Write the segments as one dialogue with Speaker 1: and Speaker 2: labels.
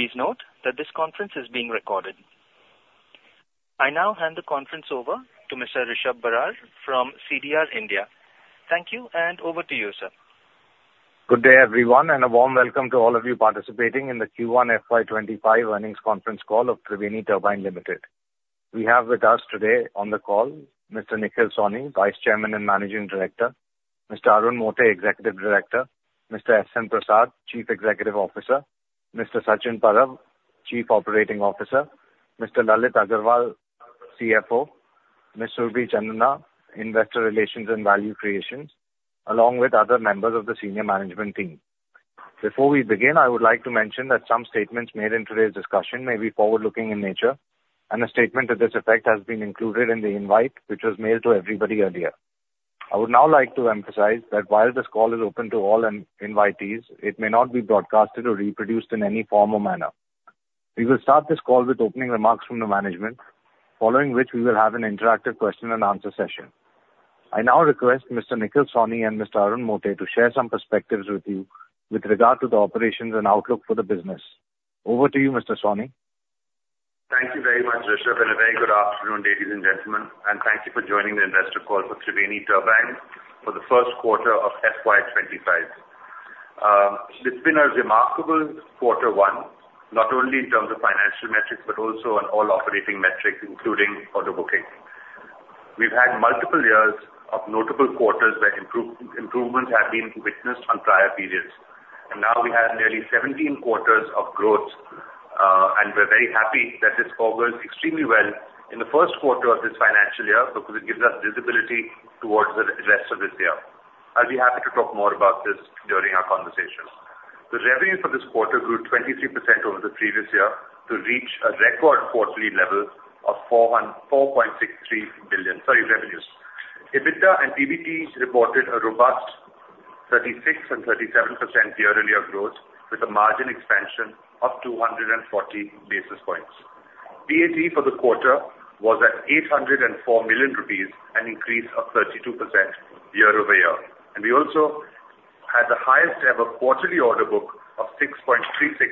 Speaker 1: Please note that this conference is being recorded. I now hand the conference over to Mr. Rishab Barar from CDR India. Thank you, and over to you, sir.
Speaker 2: Good day, everyone, and a warm welcome to all of you participating in the Q1 FY25 Earnings Conference Call of Triveni Turbine Limited. We have with us today on the call Mr. Nikhil Sawhney, Vice Chairman and Managing Director; Mr. Arun Mote, Executive Director; Mr. S.N. Prasad, Chief Executive Officer; Mr. Sachin Parab, Chief Operating Officer; Mr. Lalit Agarwal, CFO; Ms. Surabhi Chandna, Investor Relations and Value Creation, along with other members of the senior management team. Before we begin, I would like to mention that some statements made in today's discussion may be forward-looking in nature, and a statement to this effect has been included in the invite, which was mailed to everybody earlier. I would now like to emphasize that while this call is open to all invitees, it may not be broadcasted or reproduced in any form or manner. We will start this call with opening remarks from the management, following which we will have an interactive question and answer session. I now request Mr. Nikhil Sawhney and Mr. Arun Mote to share some perspectives with you with regard to the operations and outlook for the business. Over to you, Mr. Sawhney.
Speaker 3: Thank you very much, Rishab, and a very good afternoon, ladies and gentlemen, and thank you for joining the investor call for Triveni Turbine for the first quarter of FY 25. It's been a remarkable quarter 1, not only in terms of financial metrics, but also on all operating metrics, including order booking. We've had multiple years of notable quarters where improvements have been witnessed on prior periods, and now we have nearly 17 quarters of growth, and we're very happy that this bodes extremely well in the first quarter of this financial year because it gives us visibility towards the rest of this year. I'll be happy to talk more about this during our conversation. The revenue for this quarter grew 23% over the previous year to reach a record quarterly level of 4.63 billion, sorry, revenues. EBITDA and PBT reported a robust 36% and 37% year-over-year growth, with a margin expansion of 240 basis points. PAT for the quarter was at 804 million rupees, an increase of 32% year-over-year. We also had the highest ever quarterly order book of 6.36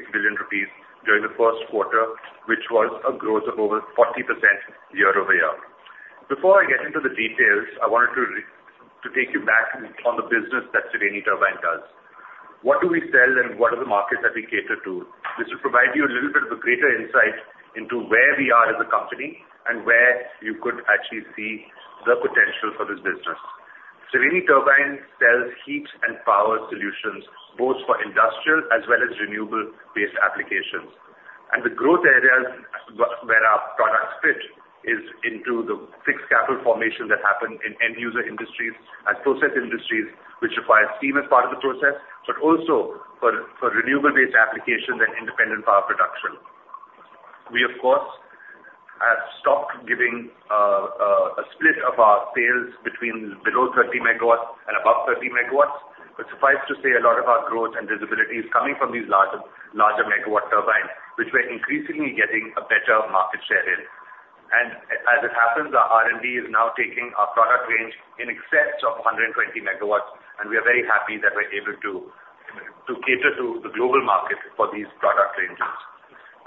Speaker 3: billion rupees during the first quarter, which was a growth of over 40% year-over-year. Before I get into the details, I wanted to take you back on the business that Triveni Turbine does. What do we sell, and what are the markets that we cater to? This will provide you a little bit of a greater insight into where we are as a company and where you could actually see the potential for this business. Triveni Turbine sells heat and power solutions, both for industrial as well as renewable-based applications. The growth areas where our products fit is into the fixed capital formation that happen in end user industries and process industries, which require steam as part of the process, but also for renewable-based applications and independent power production. We, of course, have stopped giving a split of our sales between below 30 MW and above 30 MW. But suffice to say, a lot of our growth and visibility is coming from these larger megawatts turbines, which we're increasingly getting a better market share in. As it happens, our R&D is now taking our product range in excess of 120 MW, and we are very happy that we're able to cater to the global market for these product ranges.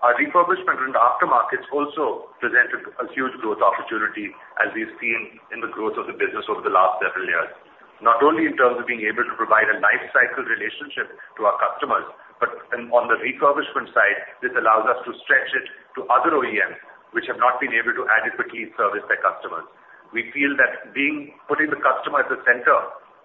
Speaker 3: Our refurbishment and aftermarkets also presented a huge growth opportunity, as we've seen in the growth of the business over the last several years, not only in terms of being able to provide a life cycle relationship to our customers, but on the refurbishment side, this allows us to stretch it to other OEMs which have not been able to adequately service their customers. We feel that being, putting the customer at the center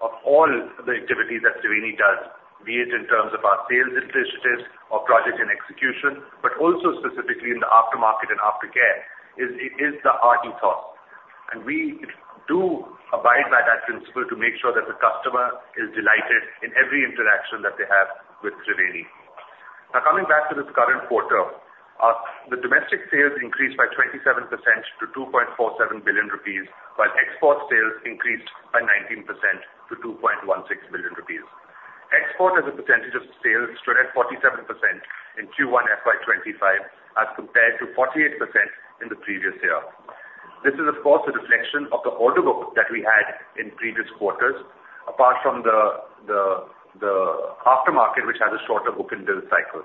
Speaker 3: of all the activities that Triveni does, be it in terms of our sales initiatives or project and execution, but also specifically in the aftermarket and aftercare, is our ethos. And we do abide by that principle to make sure that the customer is delighted in every interaction that they have with Triveni. Now, coming back to this current quarter, the domestic sales increased by 27% to 2.47 billion rupees, while export sales increased by 19% to 2.16 billion rupees. Export, as a percentage of sales, stood at 47% in Q1 FY 2025, as compared to 48% in the previous year. This is, of course, a reflection of the order book that we had in previous quarters, apart from the aftermarket, which has a shorter book-and-bill cycle.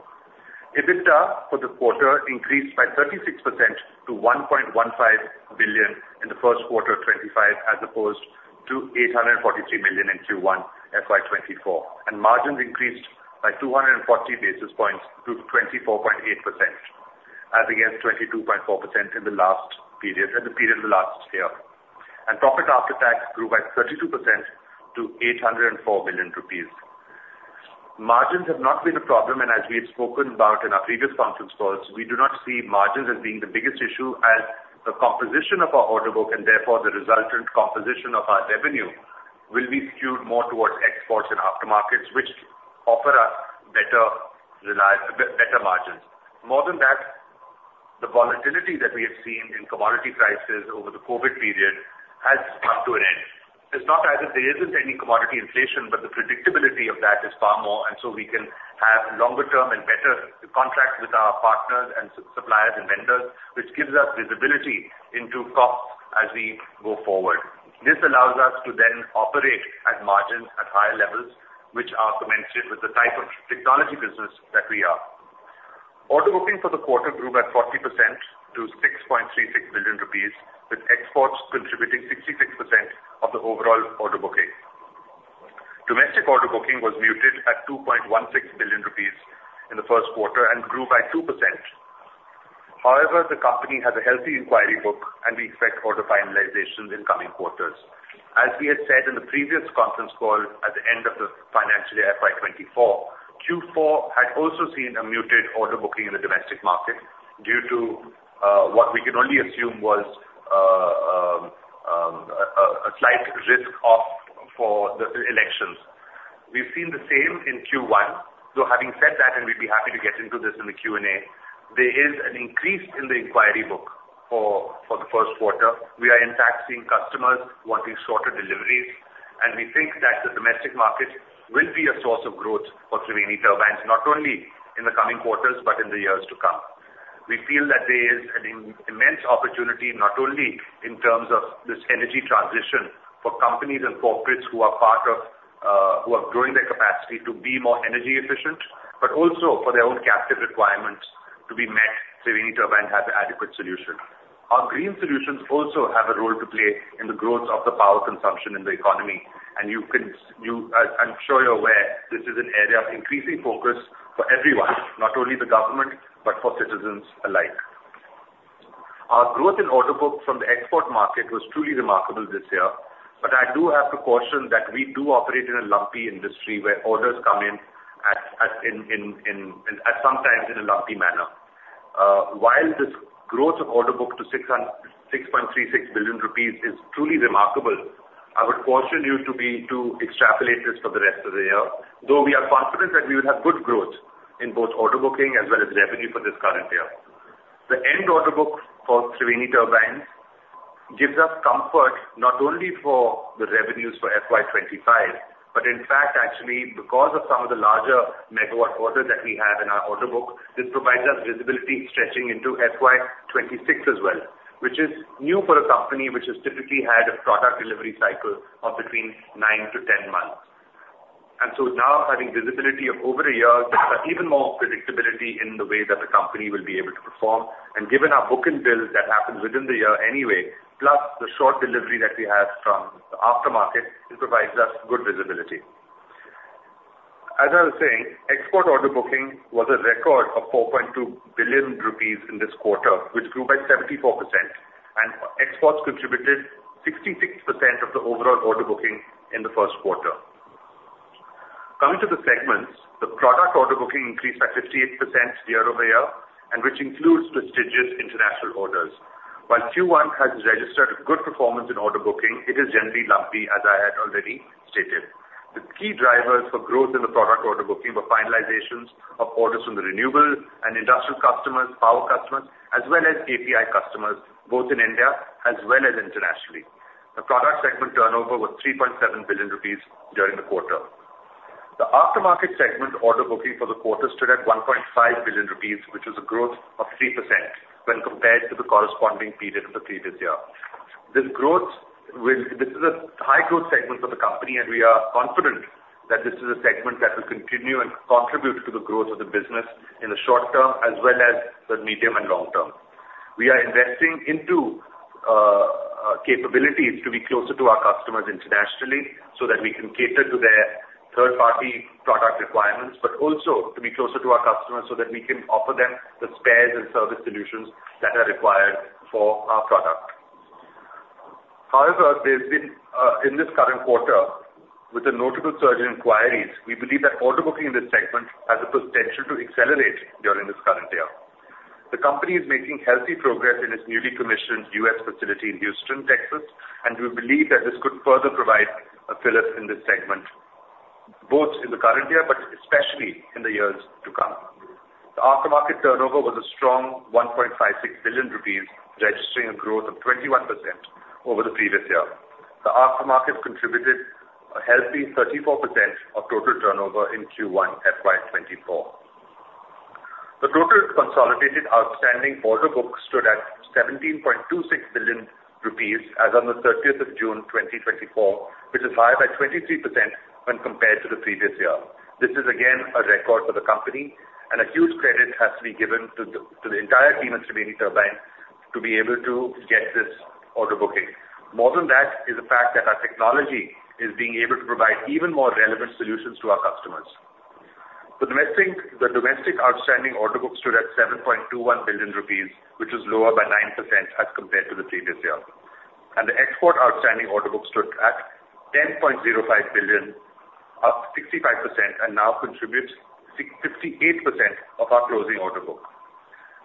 Speaker 3: EBITDA for the quarter increased by 36% to 1.15 billion in the first quarter of 25, as opposed to 843 million in Q1 FY 24, and margins increased by 240 basis points to 24.8%, as against 22.4% in the last period, in the period of the last year. Profit after tax grew by 32% to 804 million rupees. Margins have not been a problem, and as we've spoken about in our previous conference calls, we do not see margins as being the biggest issue, as the composition of our order book and therefore the resultant composition of our revenue will be skewed more towards exports and aftermarkets, which offer us better margins. More than that, the volatility that we have seen in commodity prices over the COVID period has come to an end. It's not as if there isn't any commodity inflation, but the predictability of that is far more, and so we can have longer term and better contracts with our partners and suppliers and vendors, which gives us visibility into costs as we go forward. This allows us to then operate at margins at higher levels, which are commensurate with the type of technology business that we are. Order booking for the quarter grew at 40% to 6.36 billion rupees, with exports contributing 66% of the overall order booking. Domestic order booking was muted at 2.16 billion rupees in the first quarter and grew by 2%. However, the company has a healthy inquiry book, and we expect order finalizations in coming quarters. As we had said in the previous conference call, at the end of the financial year, FY 2024, Q4 had also seen a muted order booking in the domestic market due to a slight risk off for the elections. We've seen the same in Q1. So having said that, and we'd be happy to get into this in the Q&A, there is an increase in the inquiry book for the first quarter. We are in fact seeing customers wanting shorter deliveries, and we think that the domestic market will be a source of growth for Triveni Turbines, not only in the coming quarters, but in the years to come. We feel that there is an immense opportunity, not only in terms of this energy transition for companies and corporates who are part of who are growing their capacity to be more energy efficient, but also for their own captive requirements to be met. Triveni Turbines has the adequate solution. Our green solutions also have a role to play in the growth of the power consumption in the economy, and you, I'm sure you're aware this is an area of increasing focus for everyone, not only the Government, but for citizens alike. Our growth in order book from the export market was truly remarkable this year, but I do have to caution that we do operate in a lumpy industry where orders come in at sometimes in a lumpy manner. While this growth of order book to 6.36 billion rupees is truly remarkable, I would caution you to extrapolate this for the rest of the year, though we are confident that we will have good growth in both order booking as well as revenue for this current year. The end order book for Triveni Turbines gives us comfort not only for the revenues for FY 2025, but in fact, actually, because of some of the larger megawatt orders that we have in our order book, this provides us visibility stretching into FY 2026 as well, which is new for a company which has typically had a product delivery cycle of between 9-10 months. And so now having visibility of over a year, gives us even more predictability in the way that the company will be able to perform. Given our book-and-bill that happens within the year anyway, plus the short delivery that we have from the aftermarket, it provides us good visibility. As I was saying, export order booking was a record of 4.2 billion rupees in this quarter, which grew by 74%, and exports contributed 66% of the overall order booking in the first quarter. Coming to the segments, the product order booking increased by 58% year-over-year, which includes prestigious international orders. While Q1 has registered a good performance in order booking, it is generally lumpy, as I had already stated. The key drivers for growth in the product order booking were finalizations of orders from the renewable and industrial customers, power customers, as well as API customers, both in India as well as internationally. The product segment turnover was 3.7 billion rupees during the quarter. The aftermarket segment order booking for the quarter stood at 1.5 billion rupees, which was a growth of 3% when compared to the corresponding period of the previous year. This growth—this is a high growth segment for the company, and we are confident that this is a segment that will continue and contribute to the growth of the business in the short term as well as the medium and long term. We are investing into capabilities to be closer to our customers internationally, so that we can cater to their third-party product requirements, but also to be closer to our customers so that we can offer them the spares and service solutions that are required for our product. However, there's been in this current quarter, with a notable surge in inquiries, we believe that order booking in this segment has the potential to accelerate during this current year. The company is making healthy progress in its newly commissioned U.S. facility in Houston, Texas, and we believe that this could further provide a fillip in this segment, both in the current year but especially in the years to come. The aftermarket turnover was a strong 1.56 billion rupees, registering a growth of 21% over the previous year. The aftermarket contributed a healthy 34% of total turnover in Q1 FY 2024. The total consolidated outstanding order book stood at 17.26 billion rupees as on the thirtieth of June, 2024, which is higher by 23% when compared to the previous year. This is again, a record for the company, and a huge credit has to be given to the entire team at Triveni Turbines to be able to get this order booking. More than that is the fact that our technology is being able to provide even more relevant solutions to our customers. The domestic outstanding order book stood at 7.21 billion rupees, which is lower by 9% as compared to the previous year, and the export outstanding order book stood at 10.05 billion, up 65%, and now contributes 58% of our closing order book.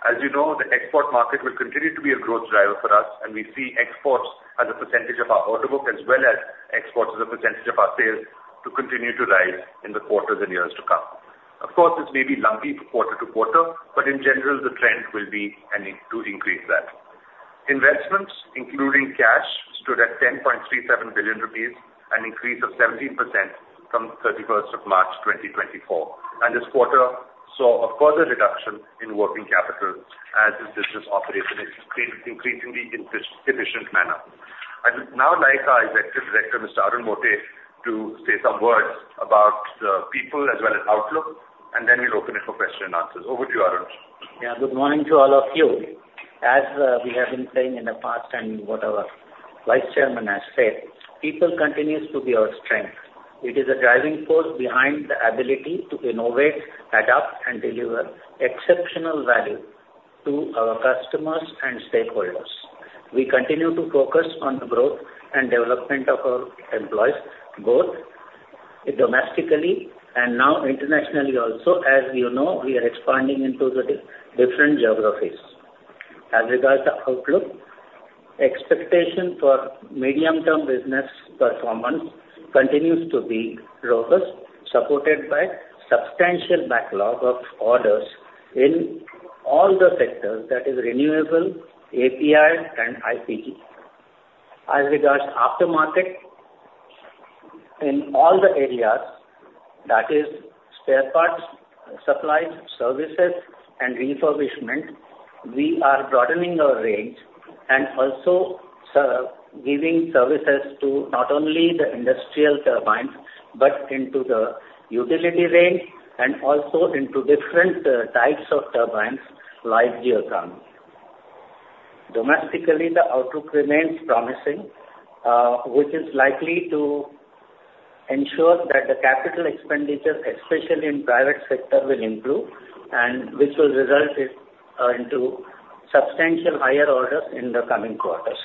Speaker 3: As you know, the export market will continue to be a growth driver for us, and we see exports as a percentage of our order book as well as exports as a percentage of our sales to continue to rise in the quarters and years to come. Of course, this may be lumpy for quarter to quarter, but in general, the trend will be an increase that. Investments, including cash, stood at 10.37 billion rupees, an increase of 17% from the 31st of March 2024, and this quarter saw a further reduction in working capital as this business operates in its increasingly efficient manner. I would now like our Executive Director, Mr. Arun Mote, to say some words about the people as well as outlook, and then we'll open it for questions and answers. Over to you, Arun.
Speaker 4: Yeah, good morning to all of you. As, we have been saying in the past, and what our vice chairman has said, people continues to be our strength. It is a driving force behind the ability to innovate, adapt, and deliver exceptional value to our customers and stakeholders. We continue to focus on the growth and development of our employees, both domestically and now internationally also. As you know, we are expanding into the different geographies. As regards the outlook, expectation for medium-term business performance continues to be robust, supported by substantial backlog of orders in all the sectors, that is renewables, API and IPG. As regards aftermarket, in all the areas, that is spare parts, supplies, services, and refurbishment, we are broadening our range and also serving services to not only the industrial turbines, but into the utility range and also into different types of turbines, like geothermal. Domestically, the outlook remains promising, which is likely to ensure that the capital expenditure, especially in private sector, will improve, and which will result in into substantial higher orders in the coming quarters.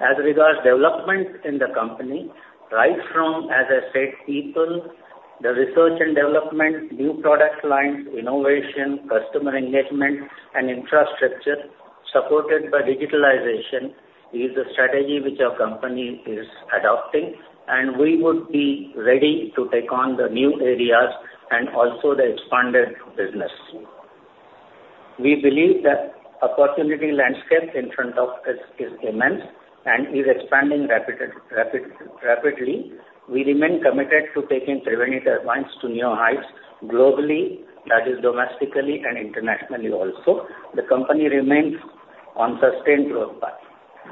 Speaker 4: As regards development in the company, right from, as I said, people, the research and development, new product lines, innovation, customer engagement, and infrastructure, supported by digitalization, is the strategy which our company is adopting, and we would be ready to take on the new areas and also the expanded business. We believe the opportunity landscape in front of us is immense and is expanding rapidly. We remain committed to taking Triveni turbines to new heights globally, that is domestically and internationally also. The company remains on sustained growth path.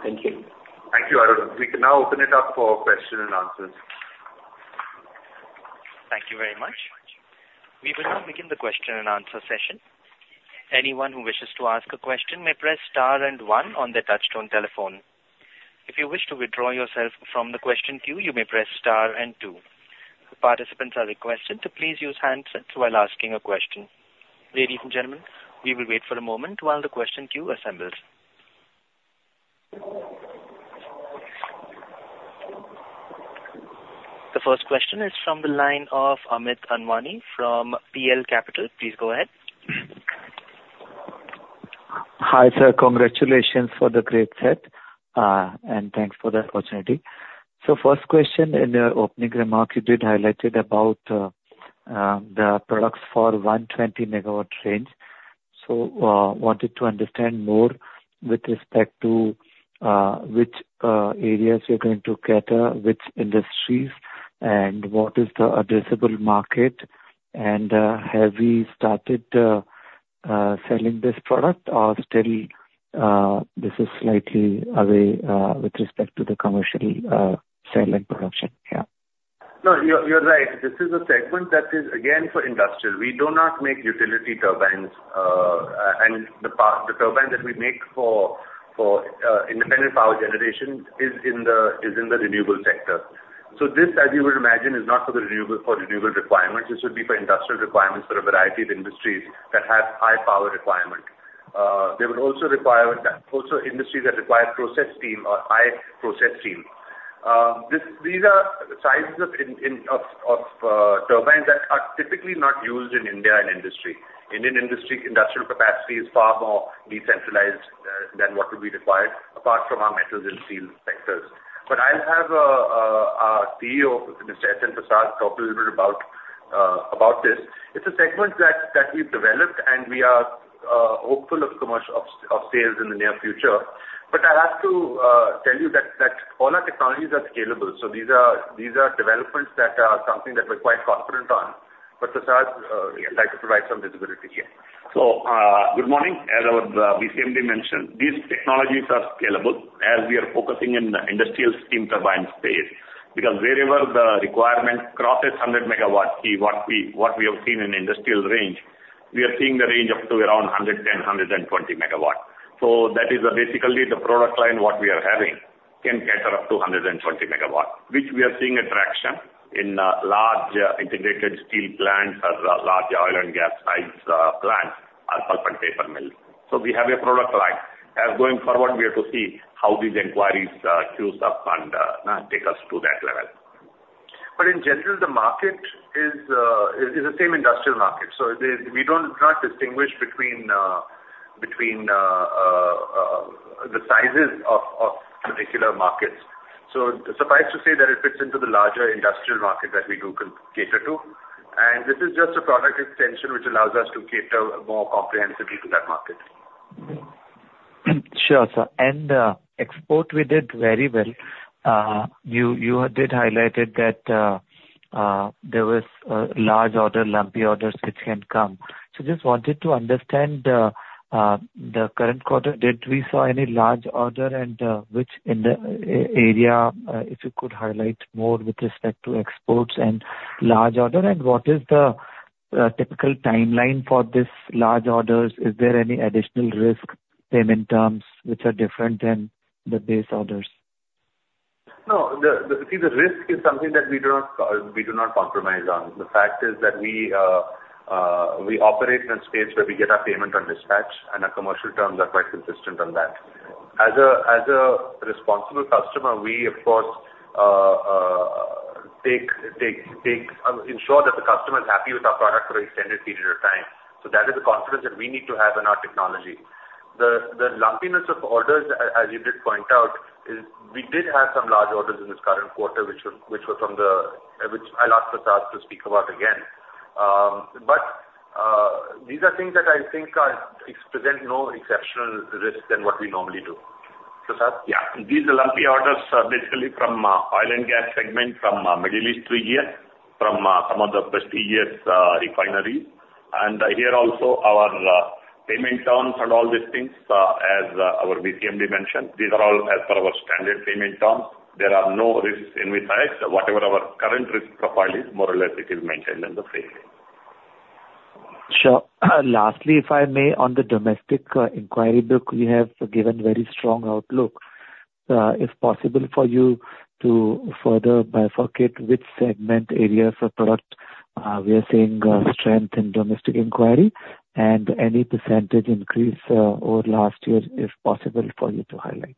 Speaker 4: Thank you.
Speaker 3: Thank you, Arun. We can now open it up for question and answers.
Speaker 1: Thank you very much. We will now begin the question and answer session. Anyone who wishes to ask a question may press star and one on their touchtone telephone. If you wish to withdraw yourself from the question queue, you may press star and two. Participants are requested to please use handsets while asking a question. Ladies and gentlemen, we will wait for a moment while the question queue assembles. The first question is from the line of Amit Anwani from PL Capital. Please go ahead.
Speaker 5: Hi, sir. Congratulations for the great set, and thanks for the opportunity. So first question, in your opening remark, you did highlighted about, the products for 120 megawatt range. So, wanted to understand more with respect to, which, areas you're going to cater, which industries, and what is the addressable market? And, have you started, selling this product, or still, this is slightly away, with respect to the commercial, sale and production? Yeah.
Speaker 3: No, you're right. This is a segment that is again for industrial. We do not make utility turbines, and the turbine that we make for independent power generation is in the renewable sector. So this, as you would imagine, is not for renewable requirements. This would be for industrial requirements for a variety of industries that have high power requirement. They would also require, also, industries that require process steam or high process steam. These are sizes of turbines that are typically not used in Indian industry. Industrial capacity is far more decentralized than what would be required, apart from our metals and steel sectors. But I'll have our CEO, Mr. S.N. Prasad, talk a little bit about this. It's a segment that we've developed, and we are hopeful of commercial sales in the near future. But I'll have to tell you that all our technologies are scalable, so these are developments that are something that we're quite confident on. But Prasad would like to provide some visibility here.
Speaker 6: So, good morning. As our VCMD mentioned, these technologies are scalable as we are focusing in the industrial steam turbine space, because wherever the requirement crosses 100 MW, see what we, what we have seen in industrial range, we are seeing the range up to around 110, 120 MW. So that is basically the product line what we are having, can cater up to 120 MW, which we are seeing attraction in, large integrated steel plants, as well as large oil and gas sites, plants and pulp and paper mill. So we have a product line, as going forward, we have to see how these inquiries, queue up and, take us to that level.
Speaker 3: But in general, the market is the same industrial market. So we don't try to distinguish between the sizes of particular markets. So suffice to say that it fits into the larger industrial market that we do cater to, and this is just a product extension, which allows us to cater more comprehensively to that market.
Speaker 5: Sure, sir. And export we did very well. You did highlighted that there was a large order, lumpy orders which can come. So just wanted to understand, the current quarter, did we saw any large order and which in the area, if you could highlight more with respect to exports and large order? And what is the typical timeline for this large orders? Is there any additional risk, payment terms which are different than the base orders?
Speaker 3: No, see, the risk is something that we do not compromise on. The fact is that we operate in a space where we get our payment on dispatch, and our commercial terms are quite consistent on that. As a responsible customer, we of course ensure that the customer is happy with our product for extended period of time, so that is the confidence that we need to have in our technology. The lumpiness of orders, as you did point out, is we did have some large orders in this current quarter, which were from the, which I'll ask Prasad to speak about again. But these are things that I think present no exceptional risk than what we normally do. Prasad?
Speaker 6: Yeah. These lumpy orders are basically from, oil and gas segment, from, Middle East region, from, some of the prestigious, refineries. And, here also, our, payment terms and all these things, as, our VCMD mentioned, these are all as per our standard payment terms. There are no risks in which I, whatever our current risk profile is, more or less it is maintained in the same.
Speaker 5: Sure. Lastly, if I may, on the domestic, inquiry book, you have given very strong outlook. If possible for you to further bifurcate which segment areas of product, we are seeing, strength in domestic inquiry, and any percentage increase, over last year, if possible, for you to highlight.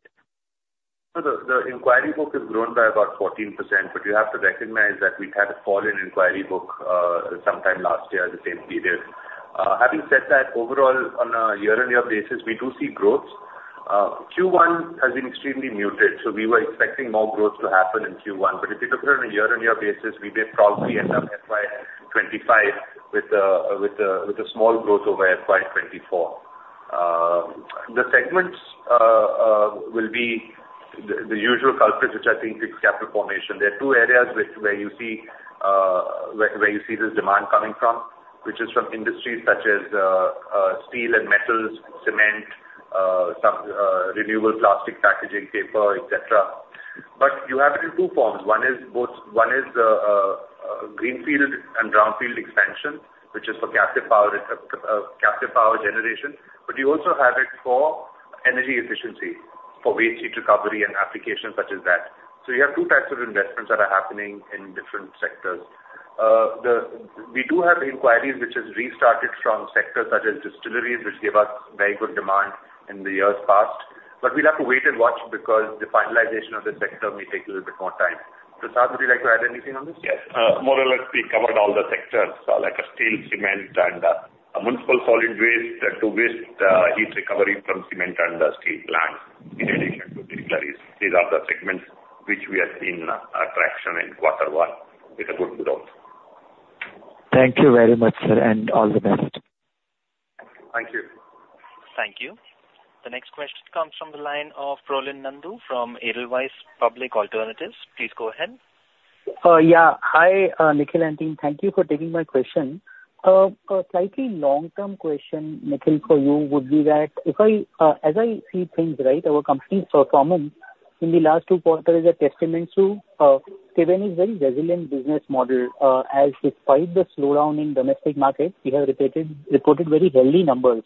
Speaker 3: So the inquiry book has grown by about 14%, but you have to recognize that we've had a fall in inquiry book sometime last year, the same period. Having said that, overall, on a year-on-year basis, we do see growth. Q1 has been extremely muted, so we were expecting more growth to happen in Q1. But if you look at it on a year-on-year basis, we may probably end up FY 2025 with a small growth over FY 2024. The segments will be the usual culprit, which I think is capital formation. There are two areas where you see this demand coming from, which is from industries such as steel and metals, cement, some renewable plastic packaging, paper, etc. But you have it in two forms. One is both, one is, greenfield and brownfield expansion, which is for captive power, captive power generation. But you also have it for energy efficiency, for waste heat recovery and applications such as that. So you have two types of investments that are happening in different sectors. We do have inquiries which has restarted from sectors such as distilleries, which gave us very good demand in the years past, but we'll have to wait and watch because the finalization of this sector may take a little bit more time. Prasad, would you like to add anything on this?
Speaker 6: Yes. More or less, we covered all the sectors, like a steel, cement, and municipal solid waste to waste heat recovery from cement and the steel plants, in addition to distilleries. These are the segments which we have seen traction in Quarter One with a good growth.
Speaker 5: Thank you very much, sir, and all the best.
Speaker 6: Thank you.
Speaker 1: Thank you. The next question comes from the line of Prolin Nandu from Edelweiss Public Alternatives. Please go ahead.
Speaker 7: Yeah. Hi, Nikhil and team. Thank you for taking my question. A slightly long-term question, Nikhil, for you would be that if I, as I see things, right, our company's performance in the last two quarters is a testament to the very resilient business model, as despite the slowdown in domestic markets, we have repeatedly reported very healthy numbers.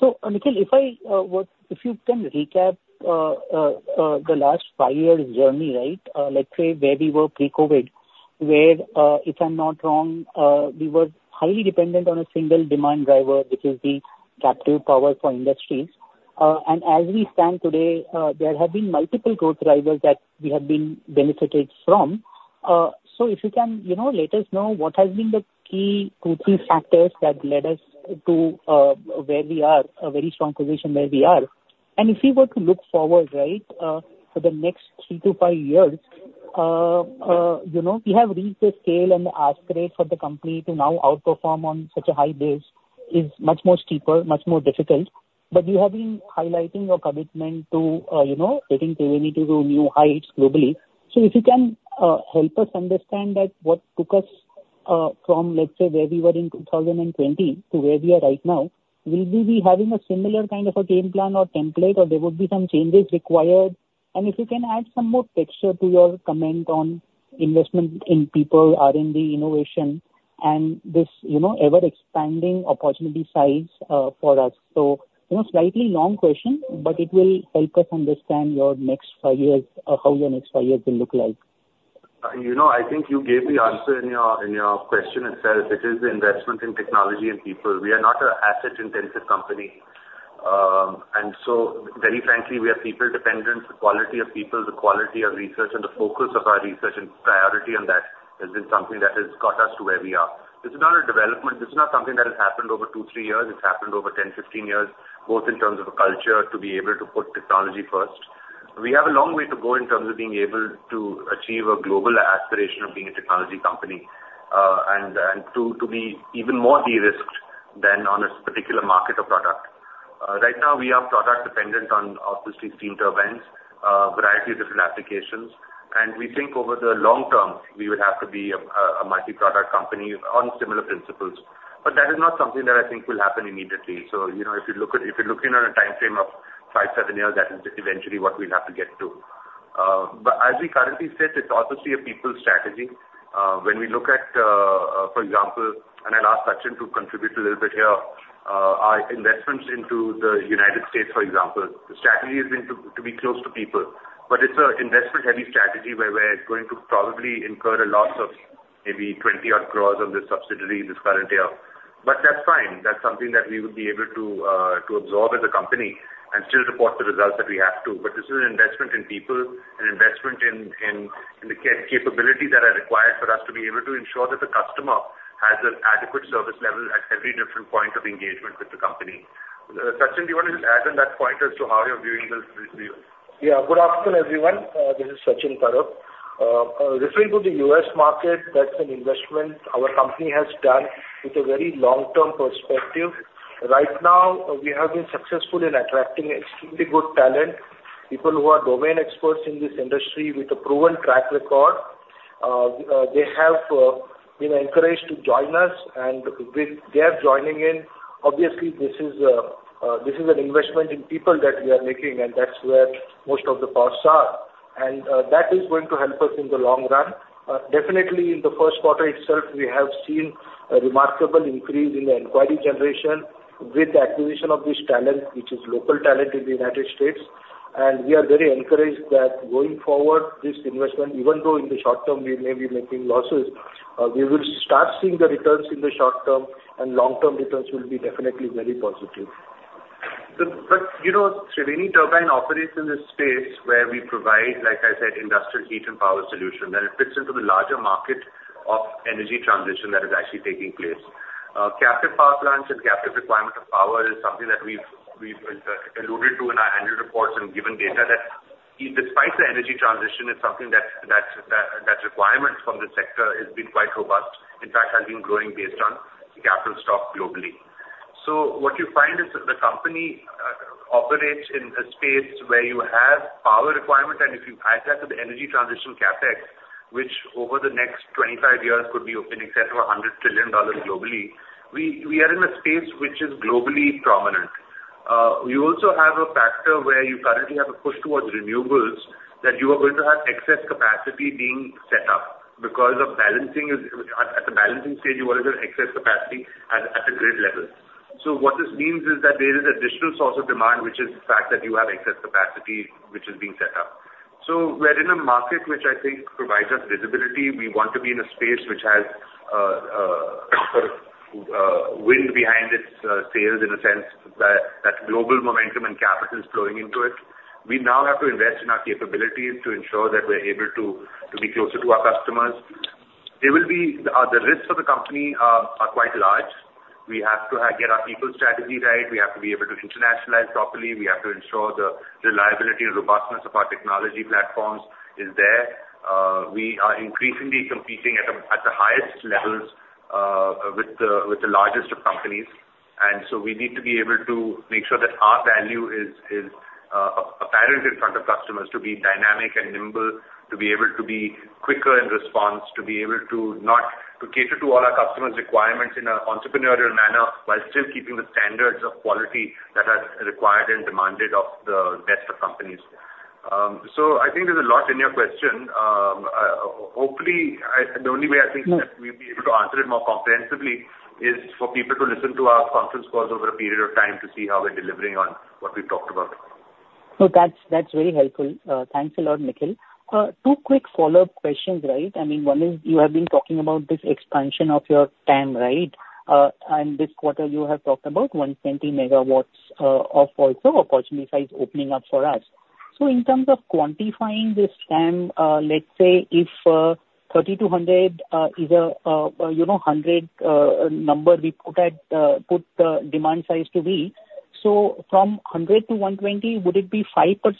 Speaker 7: So, Nikhil, if you can recap the last five years journey, right? Let's say where we were pre-COVID, where, if I'm not wrong, we were highly dependent on a single demand driver, which is the captive power for industries. And as we stand today, there have been multiple growth drivers that we have benefited from. So if you can, you know, let us know what has been the key two, three factors that led us to where we are, a very strong position where we are. And if we were to look forward, right, for the next three to five years, you know, we have reached a scale and the aspiration for the company to now outperform on such a high base is much more steeper, much more difficult. But you have been highlighting your commitment to, you know, getting Triveni to new heights globally. So if you can help us understand that, what took us from, let's say, where we were in 2020 to where we are right now, will we be having a similar kind of a game plan or template, or there would be some changes required? If you can add some more texture to your comment on investment in people, R&D, innovation, and this, you know, ever-expanding opportunity size for us. You know, slightly long question, but it will help us understand your next five years, or how your next five years will look like?
Speaker 3: You know, I think you gave the answer in your question itself. It is the investment in technology and people. We are not a asset-intensive company. And so very frankly, we are people-dependent. The quality of people, the quality of research, and the focus of our research and priority on that, has been something that has got us to where we are. This is not a development, this is not something that has happened over two, three years. It's happened over 10, 15 years, both in terms of a culture to be able to put technology first. We have a long way to go in terms of being able to achieve a global aspiration of being a technology company, and to be even more de-risked than on a particular market or product. Right now, we are product dependent on obviously steam turbines, variety of different applications, and we think over the long term, we would have to be a, a multi-product company on similar principles. But that is not something that I think will happen immediately. So, you know, if you look at, if you're looking at a timeframe of 5-7 years, that is just eventually what we'll have to get to. But as we currently sit, it's obviously a people strategy. When we look at, for example, and I'll ask Sachin to contribute a little bit here, our investments into the United States, for example, the strategy has been to, to be close to people, but it's an investment-heavy strategy where we're going to probably incur a loss of maybe 20-odd crore on this subsidiary this current year. But that's fine. That's something that we would be able to to absorb as a company and still report the results that we have to. But this is an investment in people, an investment in the capability that are required for us to be able to ensure that the customer has an adequate service level at every different point of engagement with the company. Sachin, do you want to just add on that point as to how you're viewing this review?
Speaker 8: Yeah. Good afternoon, everyone. This is Sachin Parab. Referring to the U.S. market, that's an investment our company has done with a very long-term perspective. Right now, we have been successful in attracting extremely good talent, people who are domain experts in this industry with a proven track record. They have been encouraged to join us, and with their joining in, obviously, this is an investment in people that we are making, and that's where most of the costs are. That is going to help us in the long run. Definitely in the first quarter itself, we have seen a remarkable increase in the inquiry generation with the acquisition of this talent, which is local talent in the United States. We are very encouraged that going forward, this investment, even though in the short term we may be making losses, we will start seeing the returns in the short term, and long-term returns will be definitely very positive.
Speaker 3: But, you know, Triveni Turbine operates in a space where we provide, like I said, industrial heat and power solution, that it fits into the larger market of energy transition that is actually taking place. Captive power plants and captive requirement of power is something that we've alluded to in our annual reports and given data that despite the energy transition is something that that requirement from this sector has been quite robust, in fact, has been growing based on captive stock globally. So what you find is that the company operates in a space where you have power requirement, and if you add that to the energy transition CapEx, which over the next 25 years could be in excess of $100 trillion globally, we are in a space which is globally prominent. We also have a factor where you currently have a push towards renewables, that you are going to have excess capacity being set up because of balancing is at the balancing stage, you are going to have excess capacity at the grid level. So what this means is that there is additional source of demand, which is the fact that you have excess capacity, which is being set up. So we're in a market which I think provides us visibility. We want to be in a space which has wind behind its sails, in a sense that global momentum and capital is flowing into it. We now have to invest in our capabilities to ensure that we're able to be closer to our customers. There will be the risks for the company are quite large. We have to get our people strategy right. We have to be able to internationalize properly. We have to ensure the reliability and robustness of our technology platforms is there. We are increasingly competing at the highest levels with the largest of companies, and so we need to be able to make sure that our value is apparent in front of customers, to be dynamic and nimble, to be able to be quicker in response, to be able to not to cater to all our customers' requirements in an entrepreneurial manner, while still keeping the standards of quality that are required and demanded of the best of companies. So I think there's a lot in your question. Hopefully, I, the only way I think that we'd be able to answer it more comprehensively is for people to listen to our conference calls over a period of time to see how we're delivering on what we've talked about.
Speaker 7: No, that's very helpful. Thanks a lot, Nikhil. Two quick follow-up questions, right? I mean, one is, you have been talking about this expansion of your TAM, right? And this quarter, you have talked about 120 MW of also opportunity size opening up for us. So in terms of quantifying this TAM, let's say if 30-100 is a, you know, 100 number we put at, put the demand size to be, so from 100 to 120, would it be 5% or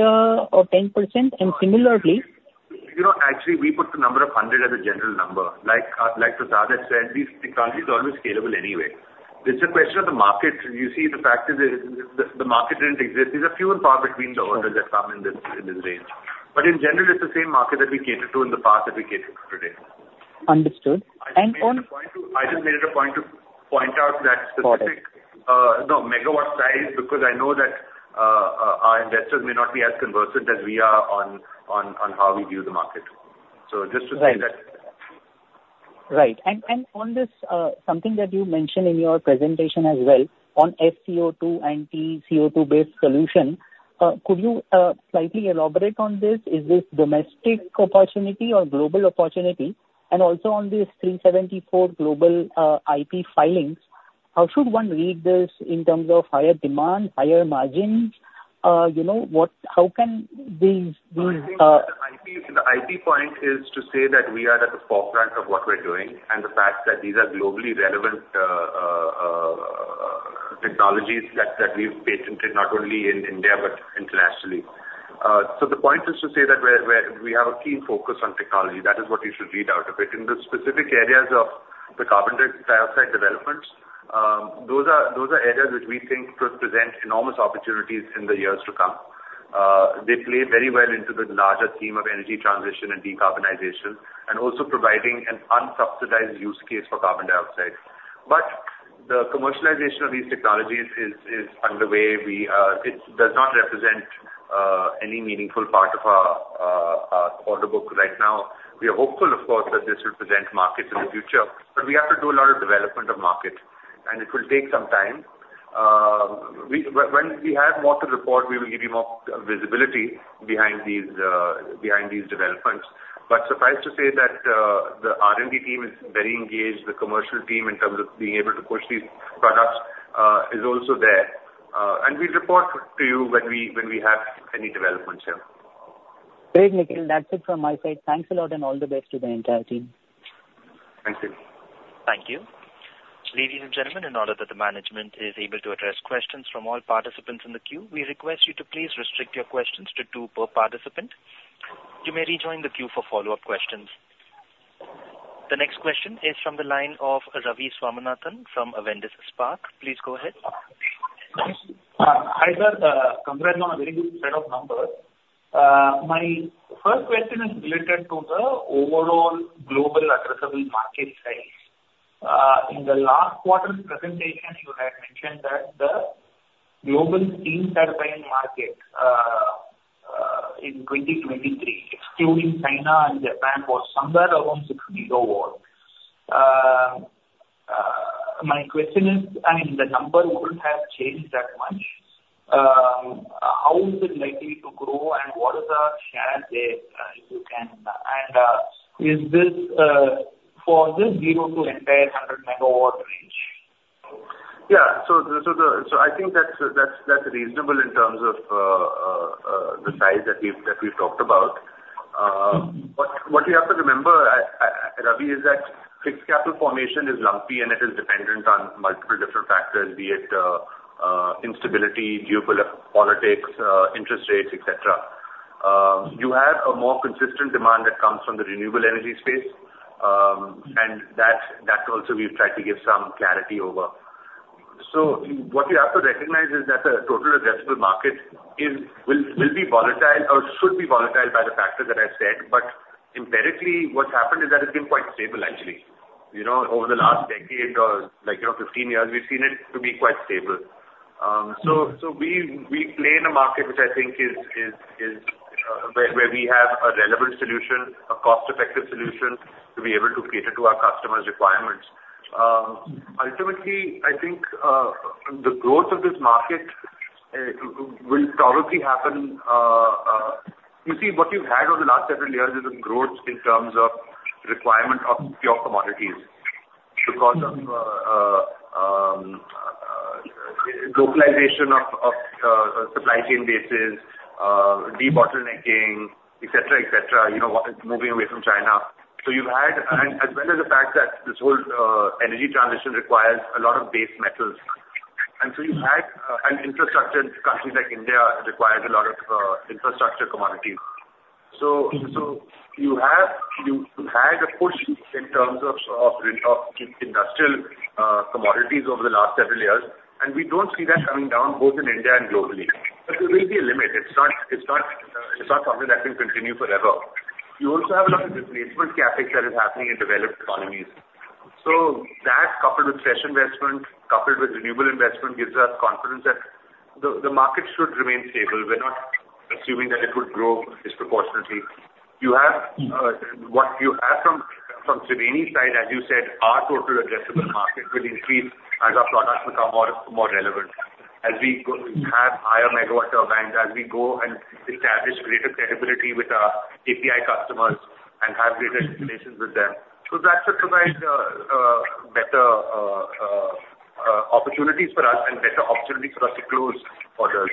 Speaker 7: 10%? And similarly...
Speaker 3: You know, actually, we put the number of 100 as a general number. Like, like Prasad has said, these technologies are always scalable anyway. It's a question of the market. You see, the fact is the market didn't exist. There's a few and far between the orders that come in this range. But in general, it's the same market that we catered to in the past that we cater to today.
Speaker 7: Understood. And on...
Speaker 3: I just made it a point to point out that-
Speaker 7: Got it.
Speaker 3: -specific, the megawatt size, because I know that our investors may not be as conversant as we are on, on, on how we view the market. So just to say that-
Speaker 7: Right. Right. And, and on this, something that you mentioned in your presentation as well, on sCO2 and tCO2-based solution, could you, slightly elaborate on this? Is this domestic opportunity or global opportunity? And also on these 374 global IP filings, how should one read this in terms of higher demand, higher margins? You know, what- how can these, these,
Speaker 3: I think the IP, the IP point is to say that we are at the forefront of what we're doing, and the fact that these are globally relevant technologies that we've patented, not only in India but internationally. So the point is to say that we have a keen focus on technology. That is what you should read out of it. In the specific areas of the carbon dioxide developments, those are areas which we think could present enormous opportunities in the years to come. They play very well into the larger theme of energy transition and decarbonization, and also providing an unsubsidized use case for carbon dioxide. But the commercialization of these technologies is underway. It does not represent any meaningful part of our order book right now. We are hopeful, of course, that this will present markets in the future, but we have to do a lot of development of market, and it will take some time. When we have more to report, we will give you more visibility behind these developments. But suffice to say that the R&D team is very engaged. The commercial team, in terms of being able to push these products, is also there. And we'll report to you when we have any developments here.
Speaker 7: Great, Nikhil. That's it from my side. Thanks a lot, and all the best to the entire team.
Speaker 3: Thank you.
Speaker 1: Thank you. Ladies and gentlemen, in order that the management is able to address questions from all participants in the queue, we request you to please restrict your questions to two per participant. You may rejoin the queue for follow-up questions. The next question is from the line of Ravi Swaminathan from Avendus Spark. Please go ahead.
Speaker 9: Hi, sir. Congrats on a very good set of numbers. My first question is related to the overall global addressable market size. In the last quarter's presentation, you had mentioned that the global steam turbine market, in 2023, excluding China and Japan, was somewhere around 60 GW. My question is, I mean, the number wouldn't have changed that much. How is it likely to grow, and what is the share there, if you can? Is this for this 0 to entire 100 MW range?
Speaker 3: Yeah. So, I think that's reasonable in terms of the size that we've talked about. But what you have to remember, Ravi, is that fixed capital formation is lumpy, and it is dependent on multiple different factors, be it instability due to politics, interest rates, etc. You have a more consistent demand that comes from the renewable energy space, and that also we've tried to give some clarity over. So what you have to recognize is that the total addressable market will be volatile or should be volatile by the factors that I said. But empirically, what's happened is that it's been quite stable, actually. You know, over the last decade or, like, you know, 15 years, we've seen it to be quite stable. We play in a market which I think is where we have a relevant solution, a cost-effective solution, to be able to cater to our customers' requirements. Ultimately, I think, the growth of this market will probably happen. You see, what you've had over the last several years is a growth in terms of requirement of pure commodities- Because of localization of supply chain bases, de-bottlenecking, etc., you know, moving away from China. So you've had, and as well as the fact that this whole energy transition requires a lot of base metals. And so you had an infrastructure in countries like India, requires a lot of infrastructure commodities. So you have, you've had a push in terms of industrial commodities over the last several years, and we don't see that coming down, both in India and globally. But there will be a limit. It's not, it's not, it's not something that can continue forever. You also have a lot of displacement CapEx that is happening in developed economies. So that, coupled with fresh investment, coupled with renewable investment, gives us confidence that the market should remain stable. We're not assuming that it would grow disproportionately. You have what you have from Triveni side, as you said, our total addressable market will increase as our products become more relevant. As we go, have higher megawatt band, as we go and establish greater credibility with our API customers and have greater installations with them. So that should provide opportunities for us and better opportunities for us to close orders.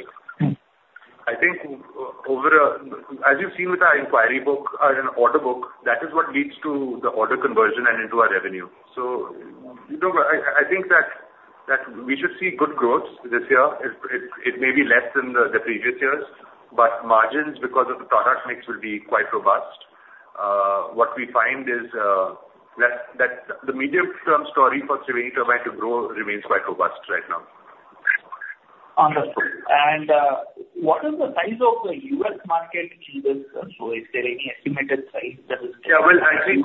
Speaker 3: I think, as you've seen with our inquiry book and order book, that is what leads to the order conversion and into our revenue. So, you know, I think that we should see good growth this year. It may be less than the previous years, but margins, because of the product mix, will be quite robust. What we find is that the medium-term story for Triveni Turbine to grow remains quite robust right now.
Speaker 9: Wonderful. And, what is the size of the U.S. market in this? So is there any estimated size that is...
Speaker 3: Yeah, well, I think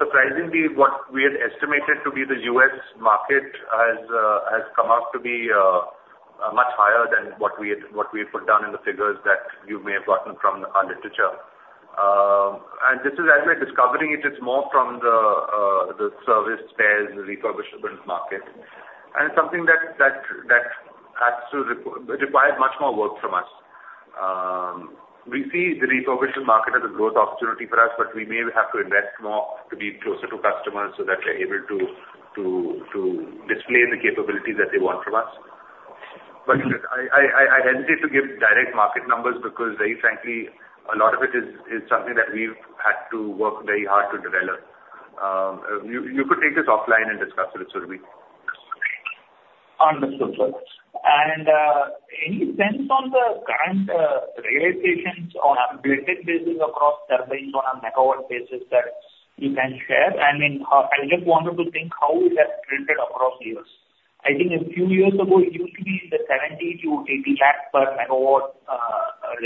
Speaker 3: surprisingly, what we had estimated to be the US market has come out to be much higher than what we had put down in the figures that you may have gotten from our literature. And this is, as we're discovering it, it's more from the service spares, the refurbishment market, and something that has to require much more work from us. We see the refurbishment market as a growth opportunity for us, but we may have to invest more to be closer to customers so that we're able to display the capabilities that they want from us. But I hesitate to give direct market numbers because very frankly, a lot of it is something that we've had to work very hard to develop. You could take this offline and discuss it with Surbhi.
Speaker 9: Understood, sir. And, any sense on the current, realizations on updated basis across turbines on a megawatt basis that you can share? I mean, I just wanted to think how it has treated across years. I think a few years ago, it used to be in the 70-80 lakhs per megawatt.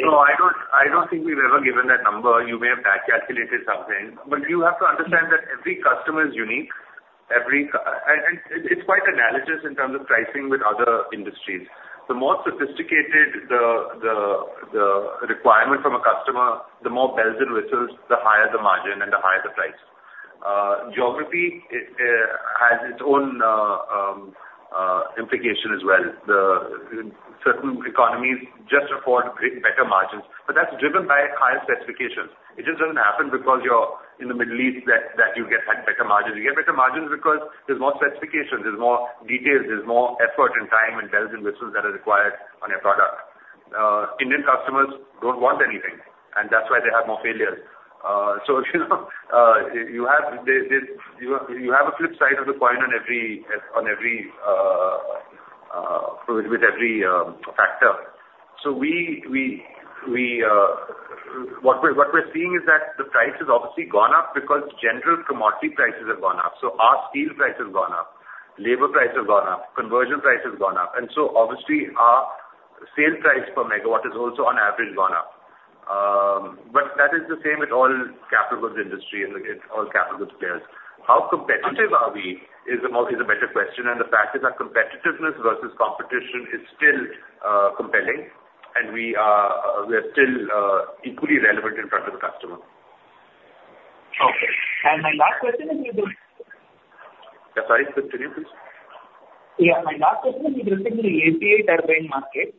Speaker 3: No, I don't think we've ever given that number. You may have back calculated something, but you have to understand that every customer is unique. It is quite analogous in terms of pricing with other industries. The more sophisticated the requirement from a customer, the more bells and whistles, the higher the margin and the higher the price. Geography has its own implication as well. Certain economies just afford better margins, but that's driven by higher specifications. It just doesn't happen because you're in the Middle East, that you get better margins. You get better margins because there's more specifications, there's more details, there's more effort and time and bells and whistles that are required on your product. Indian customers don't want anything, and that's why they have more failures. So, you know, you have a flip side of the coin on every, with every factor. So we, what we're seeing is that the price has obviously gone up because general commodity prices have gone up. So our steel price has gone up, labor price has gone up, conversion price has gone up, and so obviously, our sales price per megawatt is also on average, gone up. But that is the same with all capital goods industry and with all capital goods players. How competitive are we, is a better question, and the fact is our competitiveness versus competition is still compelling, and we are still equally relevant in front of the customer.
Speaker 9: Okay. And my last question is with the...
Speaker 3: Sorry, continue, please.
Speaker 9: Yeah, my last question is with respect to the API turbine market.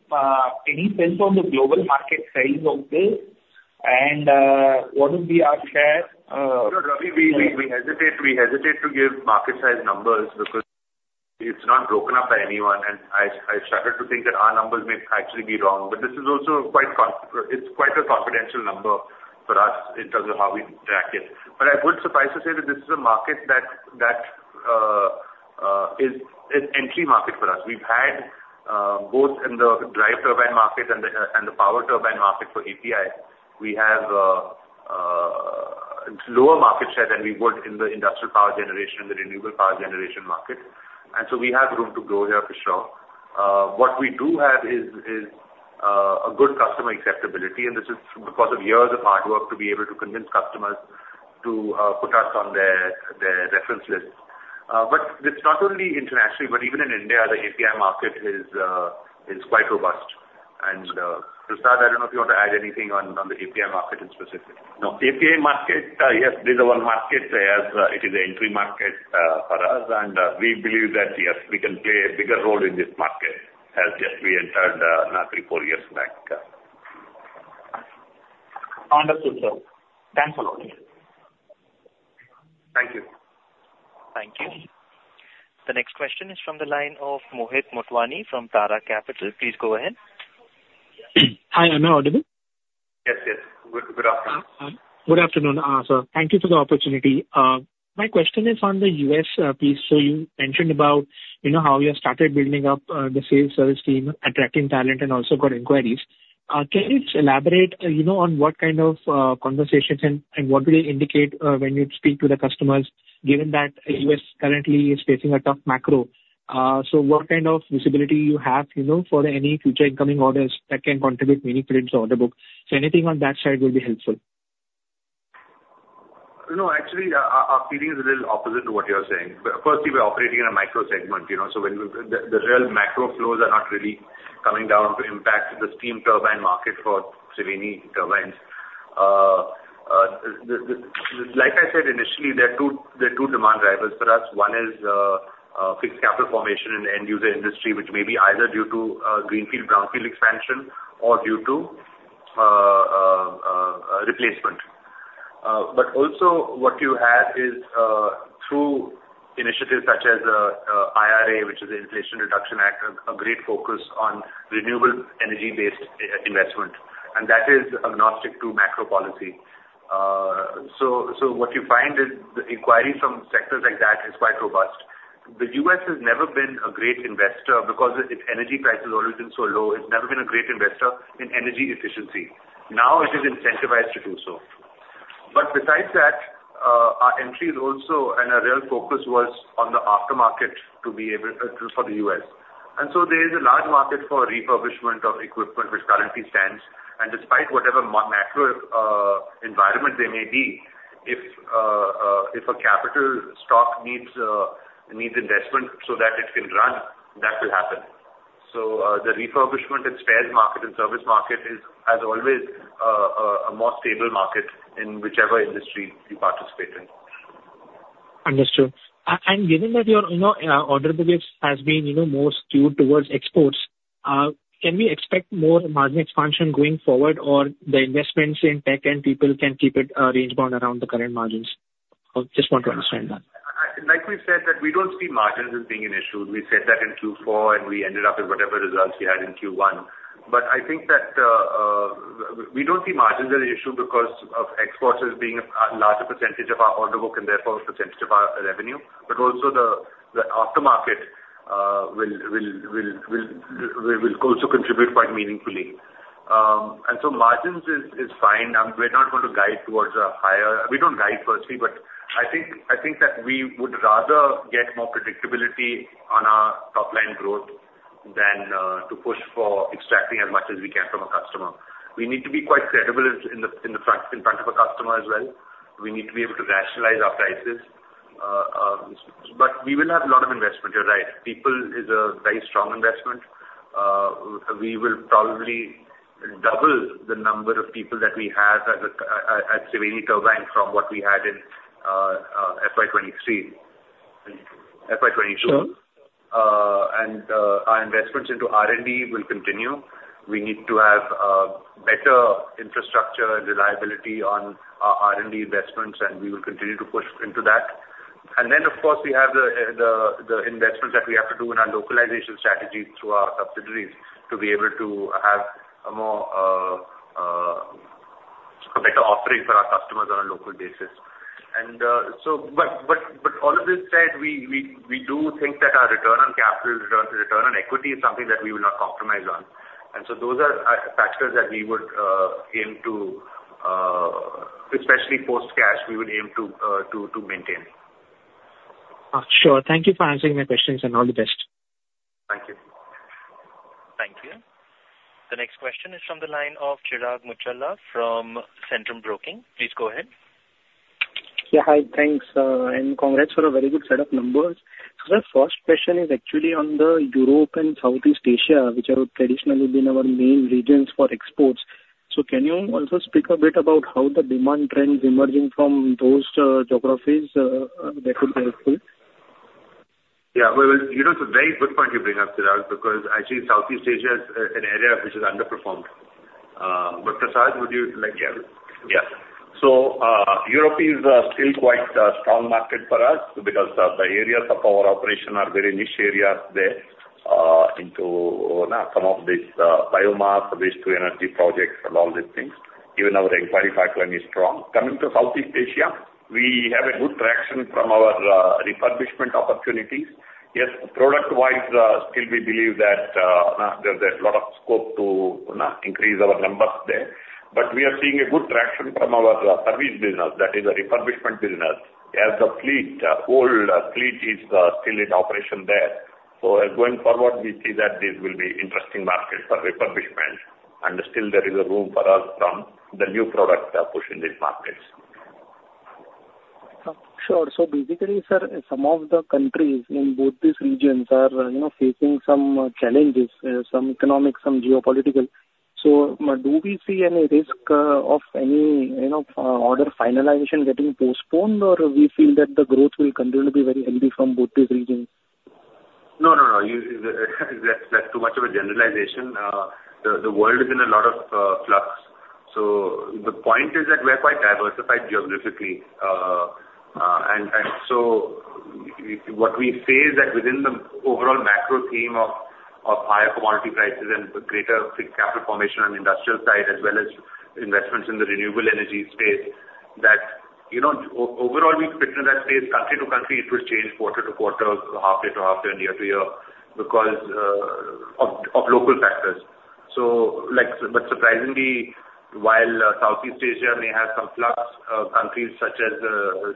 Speaker 9: Any sense on the global market size of this, and what would be our share?
Speaker 3: No, Ravi, we hesitate to give market size numbers because it's not broken up by anyone. I started to think that our numbers may actually be wrong, but this is also quite a confidential number for us in terms of how we track it. But I would suffice to say that this is a market that is an entry market for us. We've had both in the drive turbine market and the power turbine market for API. We have lower market share than we would in the industrial power generation, the renewable power generation market, and so we have room to grow here for sure. What we do have is a good customer acceptability, and this is because of years of hard work to be able to convince customers to put us on their reference list. But it's not only internationally, but even in India, the API market is quite robust. Prasad, I don't know if you want to add anything on the API market in specific.
Speaker 6: No, API market, yes, this is one market, as it is an entry market, for us. We believe that, yes, we can play a bigger role in this market as, yes, we entered, not three, four years back.
Speaker 9: Understood, sir. Thanks a lot.
Speaker 3: Thank you.
Speaker 1: Thank you. The next question is from the line of Mohit Motwani from Tara Capital. Please go ahead.
Speaker 10: Hi, am I audible?
Speaker 3: Yes, yes. Good, good afternoon.
Speaker 10: Good afternoon, sir. Thank you for the opportunity. My question is on the U.S. piece. So you mentioned about, you know, how you have started building up the sales service team, attracting talent and also got inquiries. Can you elaborate, you know, on what kind of conversations and what do they indicate when you speak to the customers, given that U.S. currently is facing a tough macro? So what kind of visibility you have, you know, for any future incoming orders that can contribute meaningful into order book? So anything on that side will be helpful.
Speaker 3: No, actually, our feeling is a little opposite to what you're saying. But firstly, we're operating in a micro segment, you know, so when the real macro flows are not really coming down to impact the steam turbine market for Triveni turbines. Like I said, initially, there are two demand drivers for us. One is fixed capital formation in the end user industry, which may be either due to greenfield, brownfield expansion or due to replacement. But also what you have is through initiatives such as IRA, which is the Inflation Reduction Act, a great focus on renewable energy-based investment, and that is agnostic to macro policy. So what you find is the inquiry from sectors like that is quite robust. The U.S. has never been a great investor because its energy price has always been so low. It's never been a great investor in energy efficiency. Now it is incentivized to do so. But besides that, our entry is also, and our real focus was on the aftermarket, to be able, for the U.S. And so there is a large market for refurbishment of equipment which currently stands, and despite whatever macro environment they may be, if, if a capital stock needs, needs investment so that it can run, that will happen. So, the refurbishment and spares market and service market is, as always, a more stable market in whichever industry you participate in.
Speaker 10: Understood. And given that your, you know, order book has been, you know, more skewed towards exports, can we expect more margin expansion going forward? Or the investments in tech and people can keep it, range bound around the current margins? I just want to understand that.
Speaker 3: Like we said, that we don't see margins as being an issue. We said that in Q4, and we ended up in whatever results we had in Q1. But I think that we don't see margins as an issue because of exports as being a larger percentage of our order book and therefore a percentage of our revenue, but also the aftermarket will also contribute quite meaningfully. And so margins is fine. We're not going to guide towards a higher— We don't guide per se, but I think that we would rather get more predictability on our top line growth than to push for extracting as much as we can from a customer. We need to be quite credible in front of a customer as well. We need to be able to rationalize our prices, but we will have a lot of investment. You're right. People is a very strong investment. We will probably double the number of people that we have at Triveni Turbine from what we had in FY 2023, FY 2022.
Speaker 10: Sure.
Speaker 3: Our investments into R&D will continue. We need to have better infrastructure and reliability on our R&D investments, and we will continue to push into that. Then, of course, we have the investments that we have to do in our localization strategy through our subsidiaries, to be able to have a more, a better offering for our customers on a local basis. All of this said, we do think that our return on capital, return on equity is something that we will not compromise on. Those are factors that we would aim to maintain.
Speaker 10: Sure. Thank you for answering my questions, and all the best.
Speaker 3: Thank you.
Speaker 1: Thank you. The next question is from the line of Chirag Muchhala from Centrum Broking. Please go ahead.
Speaker 11: Yeah, hi. Thanks, and congrats for a very good set of numbers. So the first question is actually on Europe and Southeast Asia, which have traditionally been our main regions for exports. So can you also speak a bit about how the demand trend is emerging from those, geographies? That would be helpful.
Speaker 3: Yeah, well, you know, it's a very good point you bring up, Chirag, because actually Southeast Asia is an area which is underperformed. But, Prasad, would you like?
Speaker 6: Yeah. So, Europe is, still quite a strong market for us because the, the areas of our operation are very niche areas there, into, some of these, biomass, waste-to-energy projects, and all these things. Even our inquiry pipeline is strong. Coming to Southeast Asia, we have a good traction from our, refurbishment opportunities. Yes, product-wise, still we believe that, there's a lot of scope to, you know, increase our numbers there. But we are seeing a good traction from our service business, that is, the refurbishment business, as the fleet, old, fleet is, still in operation there. So going forward, we see that this will be interesting market for refurbishment, and still there is a room for us from the new product, push in these markets.
Speaker 11: Sure. So basically, sir, some of the countries in both these regions are, you know, facing some challenges, some economic, some geopolitical. So do we see any risk of any, you know, order finalization getting postponed, or we feel that the growth will continue to be very healthy from both these regions?
Speaker 3: No, no, no. That's too much of a generalization. The world is in a lot of flux. So the point is that we're quite diversified geographically. And so what we say is that within the overall macro theme of higher commodity prices and greater fixed capital formation on the industrial side, as well as investments in the renewable energy space, you know, overall, we expect that say country to country, it will change quarter to quarter, half year to half year and year to year, because of local factors. So like, but surprisingly, while Southeast Asia may have some flux, countries such as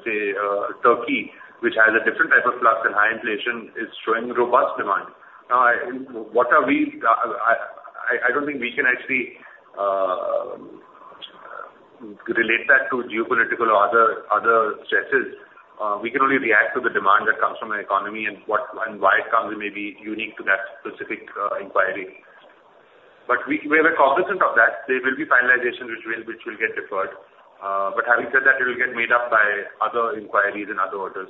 Speaker 3: say Turkey, which has a different type of flux and high inflation, is showing robust demand. What are we, I don't think we can actually relate that to geopolitical or other stresses. We can only react to the demand that comes from an economy, and what and why it comes may be unique to that specific inquiry. But we are cognizant of that. There will be finalizations which will get deferred. But having said that, it will get made up by other inquiries and other orders.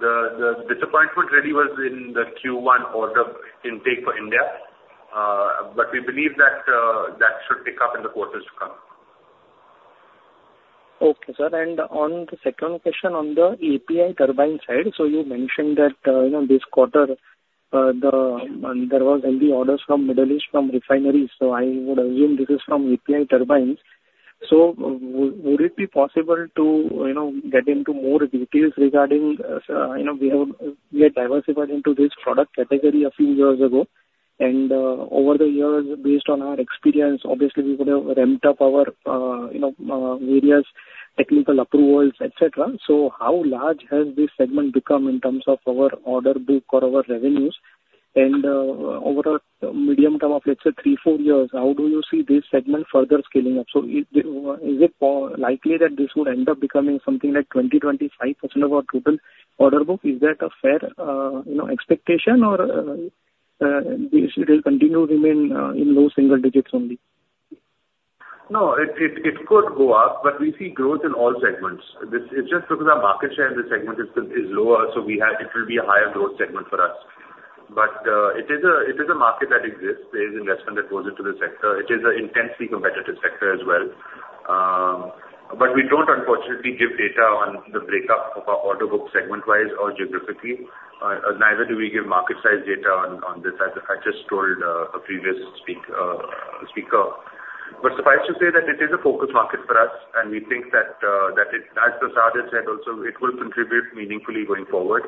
Speaker 3: The disappointment really was in the Q1 order intake for India, but we believe that that should pick up in the quarters to come.
Speaker 11: Okay, sir. And on the second question on the API turbine side, so you mentioned that, you know, this quarter, the, there was heavy orders from Middle East, from refineries, so I would assume this is from API turbines. So would it be possible to, you know, get into more details regarding, you know, we have—we have diversified into this product category a few years ago, and, over the years, based on our experience, obviously we would have ramped up our, you know, various technical approvals, etc. So how large has this segment become in terms of our order book or our revenues? And, over a medium term of, let's say, three, four years, how do you see this segment further scaling up? Is it likely that this would end up becoming something like 20-25% of our total order book? Is that a fair, you know, expectation or it will continue to remain in low single digits only?
Speaker 3: No, it could go up, but we see growth in all segments. This is just because our market share in this segment is lower, so we have it will be a higher growth segment for us. But it is a market that exists. There is investment that goes into the sector. It is a intensely competitive sector as well. But we don't unfortunately give data on the break up of our order book segment-wise or geographically. Neither do we give market size data on this, as I just told a previous speaker. But suffice to say that it is a focus market for us, and we think that it, as Prasad has said also, it will contribute meaningfully going forward.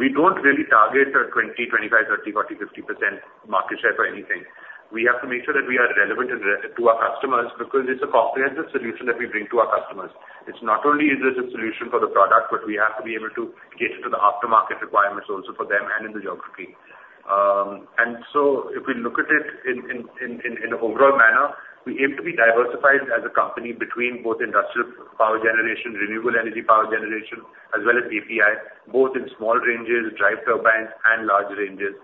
Speaker 3: We don't really target a 20, 25, 30, 40, 50% market share for anything. We have to make sure that we are relevant and responsive to our customers, because it's a comprehensive solution that we bring to our customers. It's not only is it a solution for the product, but we have to be able to cater to the aftermarket requirements also for them and in the geography. And so if we look at it in an overall manner, we aim to be diversified as a company between both industrial power generation, renewable energy power generation, as well as API, both in small ranges, drive turbines and large ranges,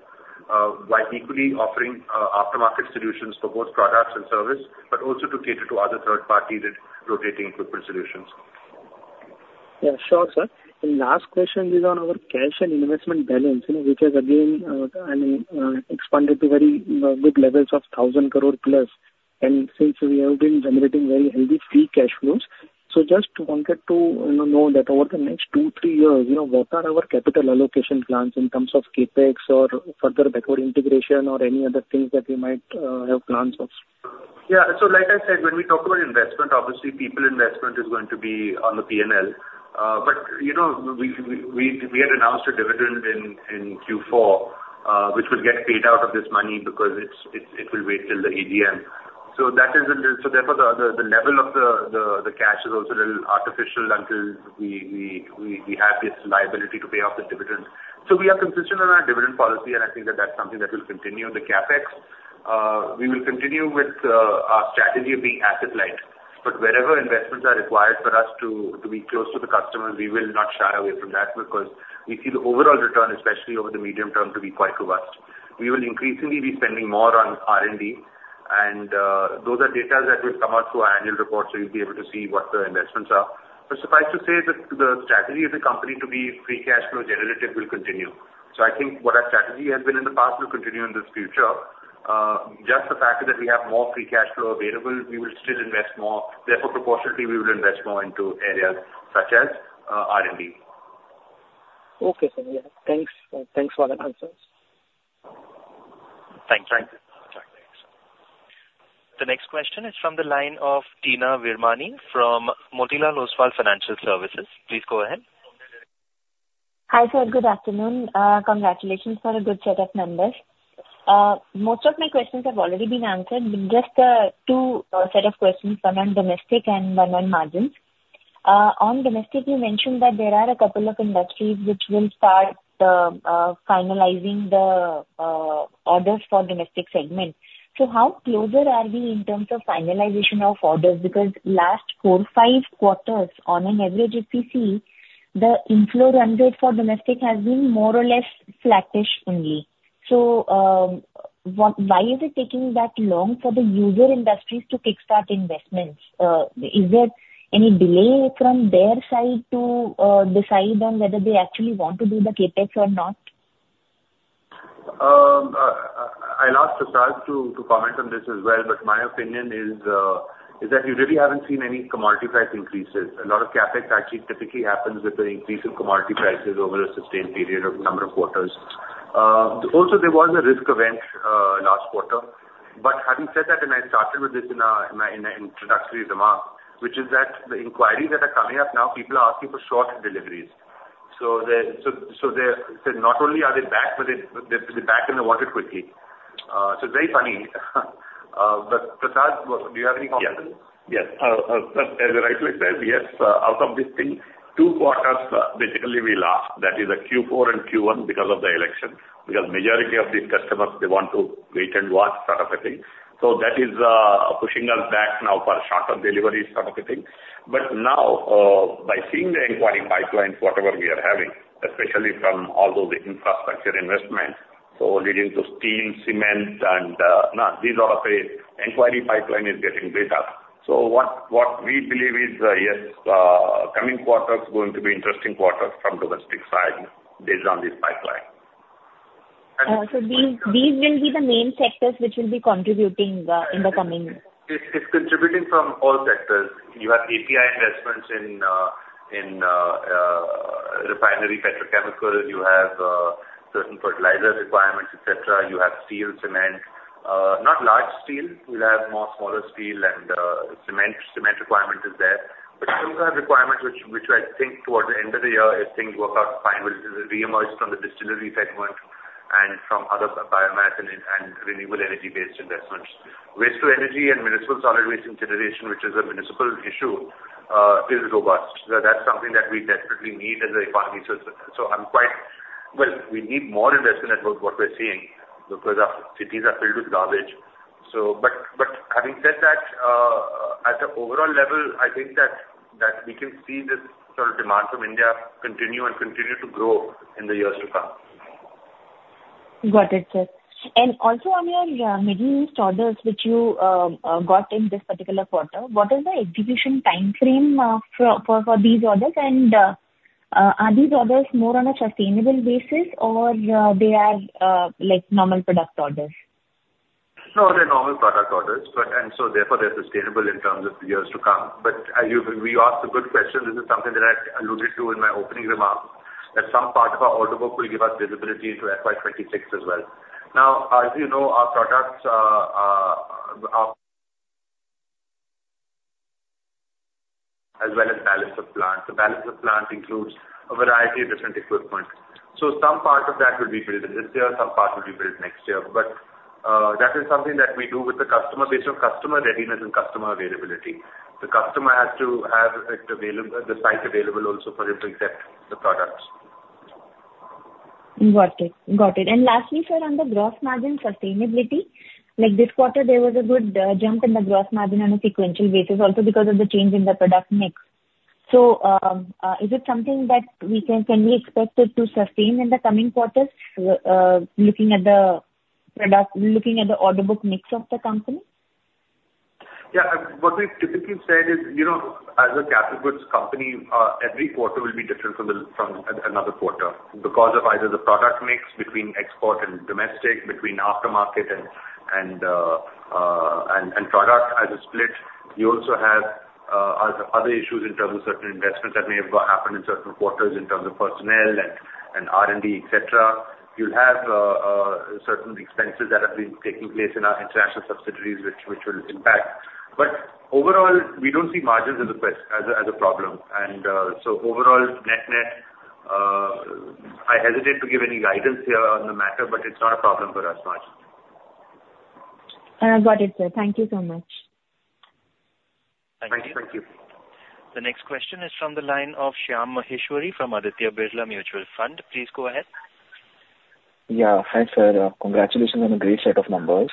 Speaker 3: while equally offering aftermarket solutions for both products and service, but also to cater to other third parties in rotating equipment solutions.
Speaker 11: Yeah. Sure, sir. The last question is on our cash and investment balance, which has again, I mean, expanded to very good levels of 1,000 crore plus. And since we have been generating very healthy free cash flows, so just wanted to, you know, know that over the next two, three years, you know, what are our capital allocation plans in terms of CapEx or further backward integration or any other things that we might have plans of?
Speaker 3: Yeah. So like I said, when we talk about investment, obviously people investment is going to be on the P&L. But, you know, we had announced a dividend in Q4, which will get paid out of this money because it will wait till the AGM. So that is in this. So therefore, the level of the cash is also a little artificial until we have this liability to pay off the dividends. So we are consistent on our dividend policy, and I think that that's something that will continue. The CapEx, we will continue with our strategy of being asset light. But wherever investments are required for us to, to be close to the customer, we will not shy away from that, because we see the overall return, especially over the medium term, to be quite robust. We will increasingly be spending more on R&D, and, those are details that will come out through our annual report, so you'll be able to see what the investments are. But suffice to say that the strategy of the company to be free cash flow generative will continue. So I think what our strategy has been in the past will continue in this future. Just the fact that we have more free cash flow available, we will still invest more, therefore, proportionately, we will invest more into areas such as, R&D.
Speaker 11: Okay, sir. Yeah. Thanks. Thanks for the answers.
Speaker 3: Thanks.
Speaker 1: Thank you. The next question is from the line of Teena Virmani, from Motilal Oswal Financial Services. Please go ahead.
Speaker 12: Hi, sir. Good afternoon. Congratulations for a good set of numbers. Most of my questions have already been answered, but just two set of questions, one on domestic and one on margins. On domestic, you mentioned that there are a couple of industries which will start finalizing the orders for domestic segment. So how closer are we in terms of finalization of orders? Because last four, five quarters, on an average, if you see, the inflow run rate for domestic has been more or less flattish only. So, what- why is it taking that long for the user industries to kickstart investments? Is there any delay from their side to decide on whether they actually want to do the CapEx or not?
Speaker 3: I'll ask Prasad to comment on this as well, but my opinion is that you really haven't seen any commodity price increases. A lot of CapEx actually typically happens with an increase in commodity prices over a sustained period of number of quarters. Also, there was a risk event last quarter. But having said that, and I started with this in my introductory remark, which is that the inquiries that are coming up now, people are asking for shorter deliveries. So the, so they're, so not only are they back, but they, they're back and they want it quickly. So it's very funny. But, Prasad, do you have any comments?
Speaker 6: Yes. Sir, as you rightly said, yes, out of this thing, two quarters, basically we lost, that is the Q4 and Q1 because of the election, because majority of these customers, they want to wait and watch sort of a thing. So that is pushing us back now for shorter deliveries sort of a thing. But now, by seeing the inquiry pipelines, whatever we are having, especially from all those infrastructure investments, so leading to steel, cement and these are of a inquiry pipeline is getting built up. So what we believe is, yes, coming quarters going to be interesting quarters from domestic side based on this pipeline.
Speaker 12: So these will be the main sectors which will be contributing in the coming years?
Speaker 3: It's contributing from all sectors. You have API investments in refinery petrochemical. You have certain fertilizer requirements, etc. You have steel, cement. Not large steel. We'll have more smaller steel and cement. Cement requirement is there. But still have requirements which I think towards the end of the year, if things work out fine, will reemerge from the distillery segment and from other biomass and renewable energy-based investments. Waste-to-energy and municipal solid waste generation, which is a municipal issue, is robust. That's something that we desperately need as an economy. So I'm quite, well, we need more investment than what we're seeing, because our cities are filled with garbage. So, but having said that, at an overall level, I think that we can see this sort of demand from India continue and continue to grow in the years to come.
Speaker 12: Got it, sir. And also on your Middle East orders, which you got in this particular quarter, what is the execution time frame for these orders? And, are these orders more on a sustainable basis or they are like normal product orders?
Speaker 3: No, they're normal product orders, but and so therefore, they're sustainable in terms of years to come. But, you asked a good question. This is something that I alluded to in my opening remarks, that some part of our order book will give us visibility into FY 2026 as well. Now, as you know, our products are as well as balance of plant. The balance of plant includes a variety of different equipment. So some part of that will be built this year, some part will be built next year. But, that is something that we do with the customer based on customer readiness and customer availability. The customer has to have it available, the site available also for him to accept the products.
Speaker 12: Got it. Got it. And lastly, sir, on the gross margin sustainability, like this quarter, there was a good jump in the gross margin on a sequential basis, also because of the change in the product mix. So, is it something that we can expect it to sustain in the coming quarters, looking at the product, looking at the order book mix of the company?
Speaker 3: Yeah. What we've typically said is, you know, as a capital goods company, every quarter will be different from another quarter. Because of either the product mix between export and domestic, between aftermarket and product as a split. You also have certain investments that may have happened in certain quarters, in terms of personnel and R&D, etc. You'll have certain expenses that have been taking place in our international subsidiaries, which will impact. But overall, we don't see margins as a question, as a problem. So overall, net-net, I hesitate to give any guidance here on the matter, but it's not a problem for us much.
Speaker 12: Got it, sir. Thank you so much.
Speaker 3: Thank you.
Speaker 1: The next question is from the line of Shyam Maheshwari from Aditya Birla Sun Life Mutual Fund. Please go ahead.
Speaker 13: Yeah. Hi, sir. Congratulations on a great set of numbers.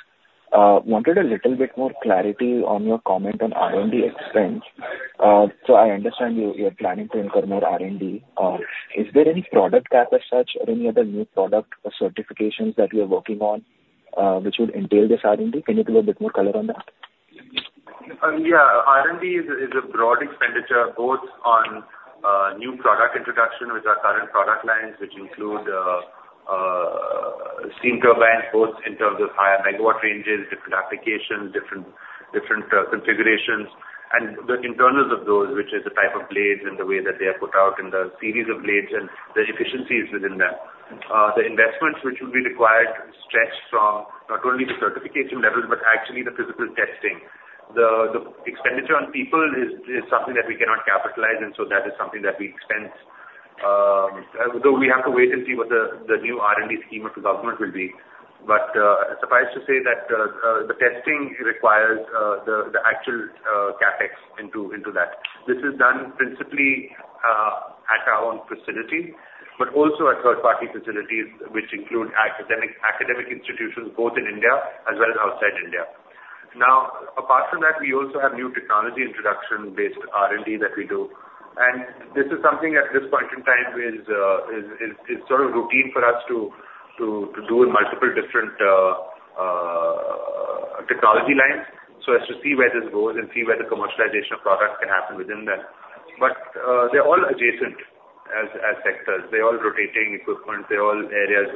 Speaker 13: Wanted a little bit more clarity on your comment on R&D expense. So I understand you, you're planning to incur more R&D. Is there any product gap as such or any other new product or certifications that you're working on, which would entail this R&D? Can you give a bit more color on that?
Speaker 3: Yeah. R&D is a broad expenditure, both on new product introduction with our current product lines, which include steam turbines, both in terms of higher megawatt ranges, different applications, different configurations, and the internals of those, which is the type of blades and the way that they are put out, and the series of blades and the efficiencies within them. The investments which will be required stretch from not only the certification levels, but actually the physical testing. The expenditure on people is something that we cannot capitalize, and so that is something that we expense. Though we have to wait and see what the new R&D scheme of the Government will be. Suffice to say that the testing requires the actual CapEx into that. This is done principally at our own facility, but also at third-party facilities, which include academic institutions, both in India as well as outside India. Now, apart from that, we also have new technology introduction based R&D that we do. And this is something at this point in time is sort of routine for us to do in multiple different technology lines, so as to see where this goes and see where the commercialization of products can happen within them. But, they're all adjacent as sectors. They're all rotating equipment. They're all areas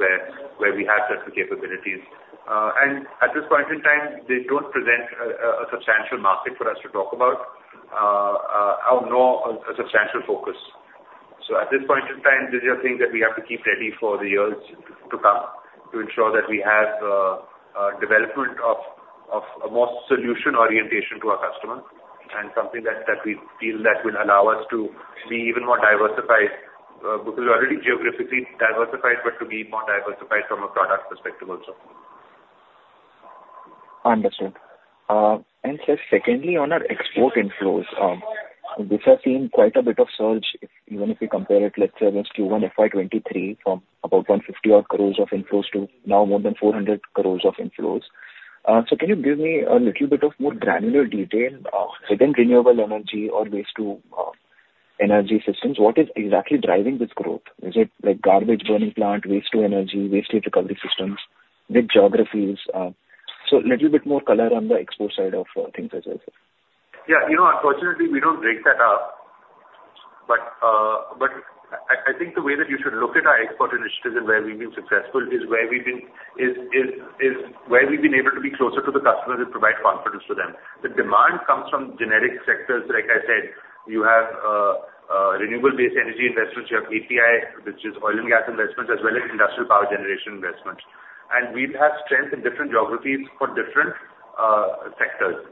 Speaker 3: where we have certain capabilities. And at this point in time, they don't present a substantial market for us to talk about, or nor a substantial focus. At this point in time, these are things that we have to keep ready for the years to come, to ensure that we have a development of a more solution orientation to our customers, and something that we feel that will allow us to be even more diversified, because we're already geographically diversified, but to be more diversified from a product perspective also.
Speaker 13: Understood. And sir, secondly, on our export inflows, these have seen quite a bit of surge, if even if we compare it, let's say, versus Q1 FY 2023, from about 150 odd crore of inflows to now more than 400 crore of inflows. So can you give me a little bit of more granular detail, within renewable energy or waste-to-energy systems? What is exactly driving this growth? Is it, like garbage burning plant, waste-to-energy, waste heat recovery systems, new geographies? So little bit more color on the export side of things as well, sir.
Speaker 3: Yeah. You know, unfortunately, we don't break that up. But I think the way that you should look at our export initiatives and where we've been successful is where we've been able to be closer to the customers and provide confidence to them. The demand comes from generic sectors. Like I said, you have renewable-based energy investments, you have API, which is oil and gas investments, as well as industrial power generation investments. And we've had strength in different geographies for different sectors.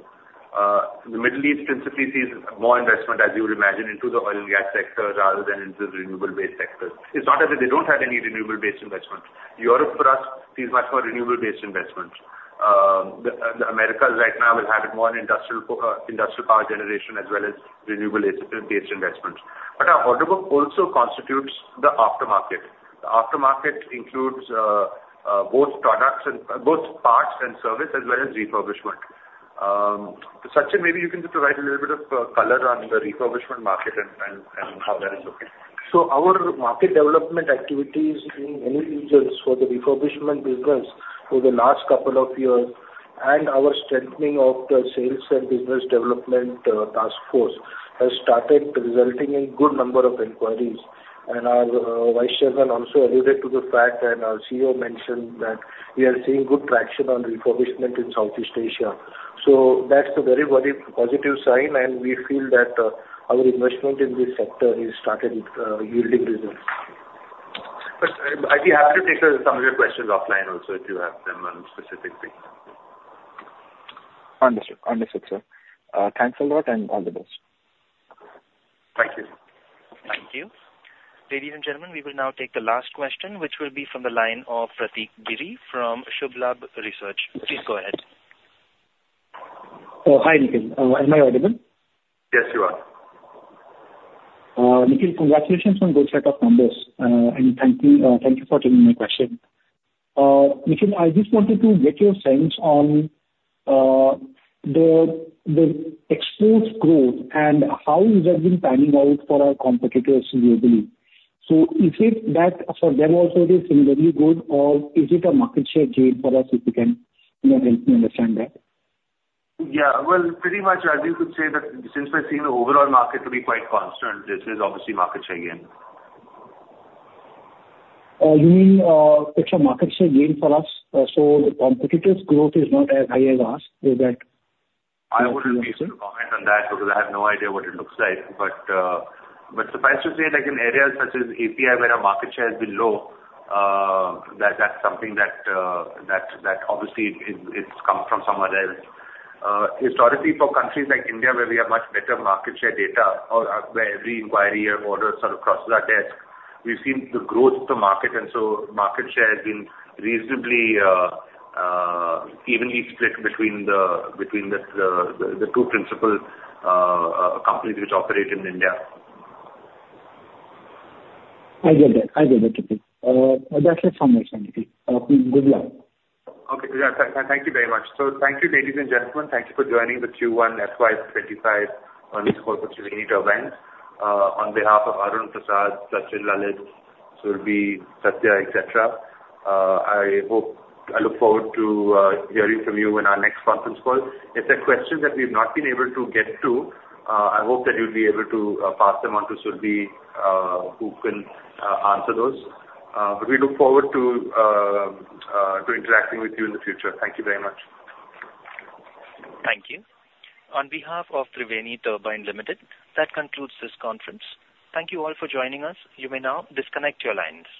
Speaker 3: The Middle East principally sees more investment, as you would imagine, into the oil and gas sector rather than into the renewable-based sectors. It's not that they don't have any renewable-based investments. Europe, for us, sees much more renewable-based investments. The Americas right now will have more industrial power generation as well as renewable-based investments. But our order book also constitutes the aftermarket. The aftermarket includes both products and both parts and service, as well as refurbishment. Sachin, maybe you can just provide a little bit of color on the refurbishment market and how that is looking.
Speaker 8: So our market development activities in many regions for the refurbishment business over the last couple of years, and our strengthening of the sales and business development task force, has started resulting in good number of inquiries. And our Vice Chairman also alluded to the fact, and our CEO mentioned that we are seeing good traction on refurbishment in Southeast Asia. So that's a very, very positive sign, and we feel that our investment in this sector has started yielding results.
Speaker 3: But I'd be happy to take some of your questions offline also, if you have them on specific things.
Speaker 13: Understood. Understood, sir. Thanks a lot, and all the best.
Speaker 3: Thank you.
Speaker 1: Thank you. Ladies and gentlemen, we will now take the last question, which will be from the line of Prateek Giri from Subh Labh Research. Please go ahead.
Speaker 14: Oh, hi, Nikhil. Am I audible?
Speaker 3: Yes, you are.
Speaker 14: Nikhil, congratulations on good set of numbers, and thank you, thank you for taking my question. Nikhil, I just wanted to get your sense on the exports growth and how is that been panning out for our competitors globally. So is it that for them also it is similarly good, or is it a market share gain for us, if you can, you know, help me understand that?
Speaker 3: Yeah, well, pretty much I would say that since we're seeing the overall market to be quite constant, this is obviously market share gain.
Speaker 14: You mean, it's a market share gain for us, so the competitors' growth is not as high as ours, is that?
Speaker 3: I wouldn't be able to comment on that because I have no idea what it looks like. But suffice to say, like in areas such as API, where our market share has been low, that's something that obviously it's come from somewhere else. Historically, for countries like India, where we have much better market share data or where every inquiry or order sort of crosses our desk, we've seen the growth of the market, and so market share has been reasonably evenly split between the two principal companies which operate in India.
Speaker 14: I get that. I get that, Nikhil. That's it from my end, Nikhil. Good luck.
Speaker 3: Okay, yeah. Thank you very much. So thank you, ladies and gentlemen. Thank you for joining the Q1 FY25 earnings call for Triveni Turbine. On behalf of Arun, Prasad, Sachin, Lalit, Surabhi, Satya, etc., I hope I look forward to hearing from you in our next conference call. If there are questions that we've not been able to get to, I hope that you'll be able to pass them on to Surabhi, who can answer those. But we look forward to interacting with you in the future. Thank you very much.
Speaker 1: Thank you. On behalf of Triveni Turbine Limited, that concludes this conference. Thank you all for joining us. You may now disconnect your lines.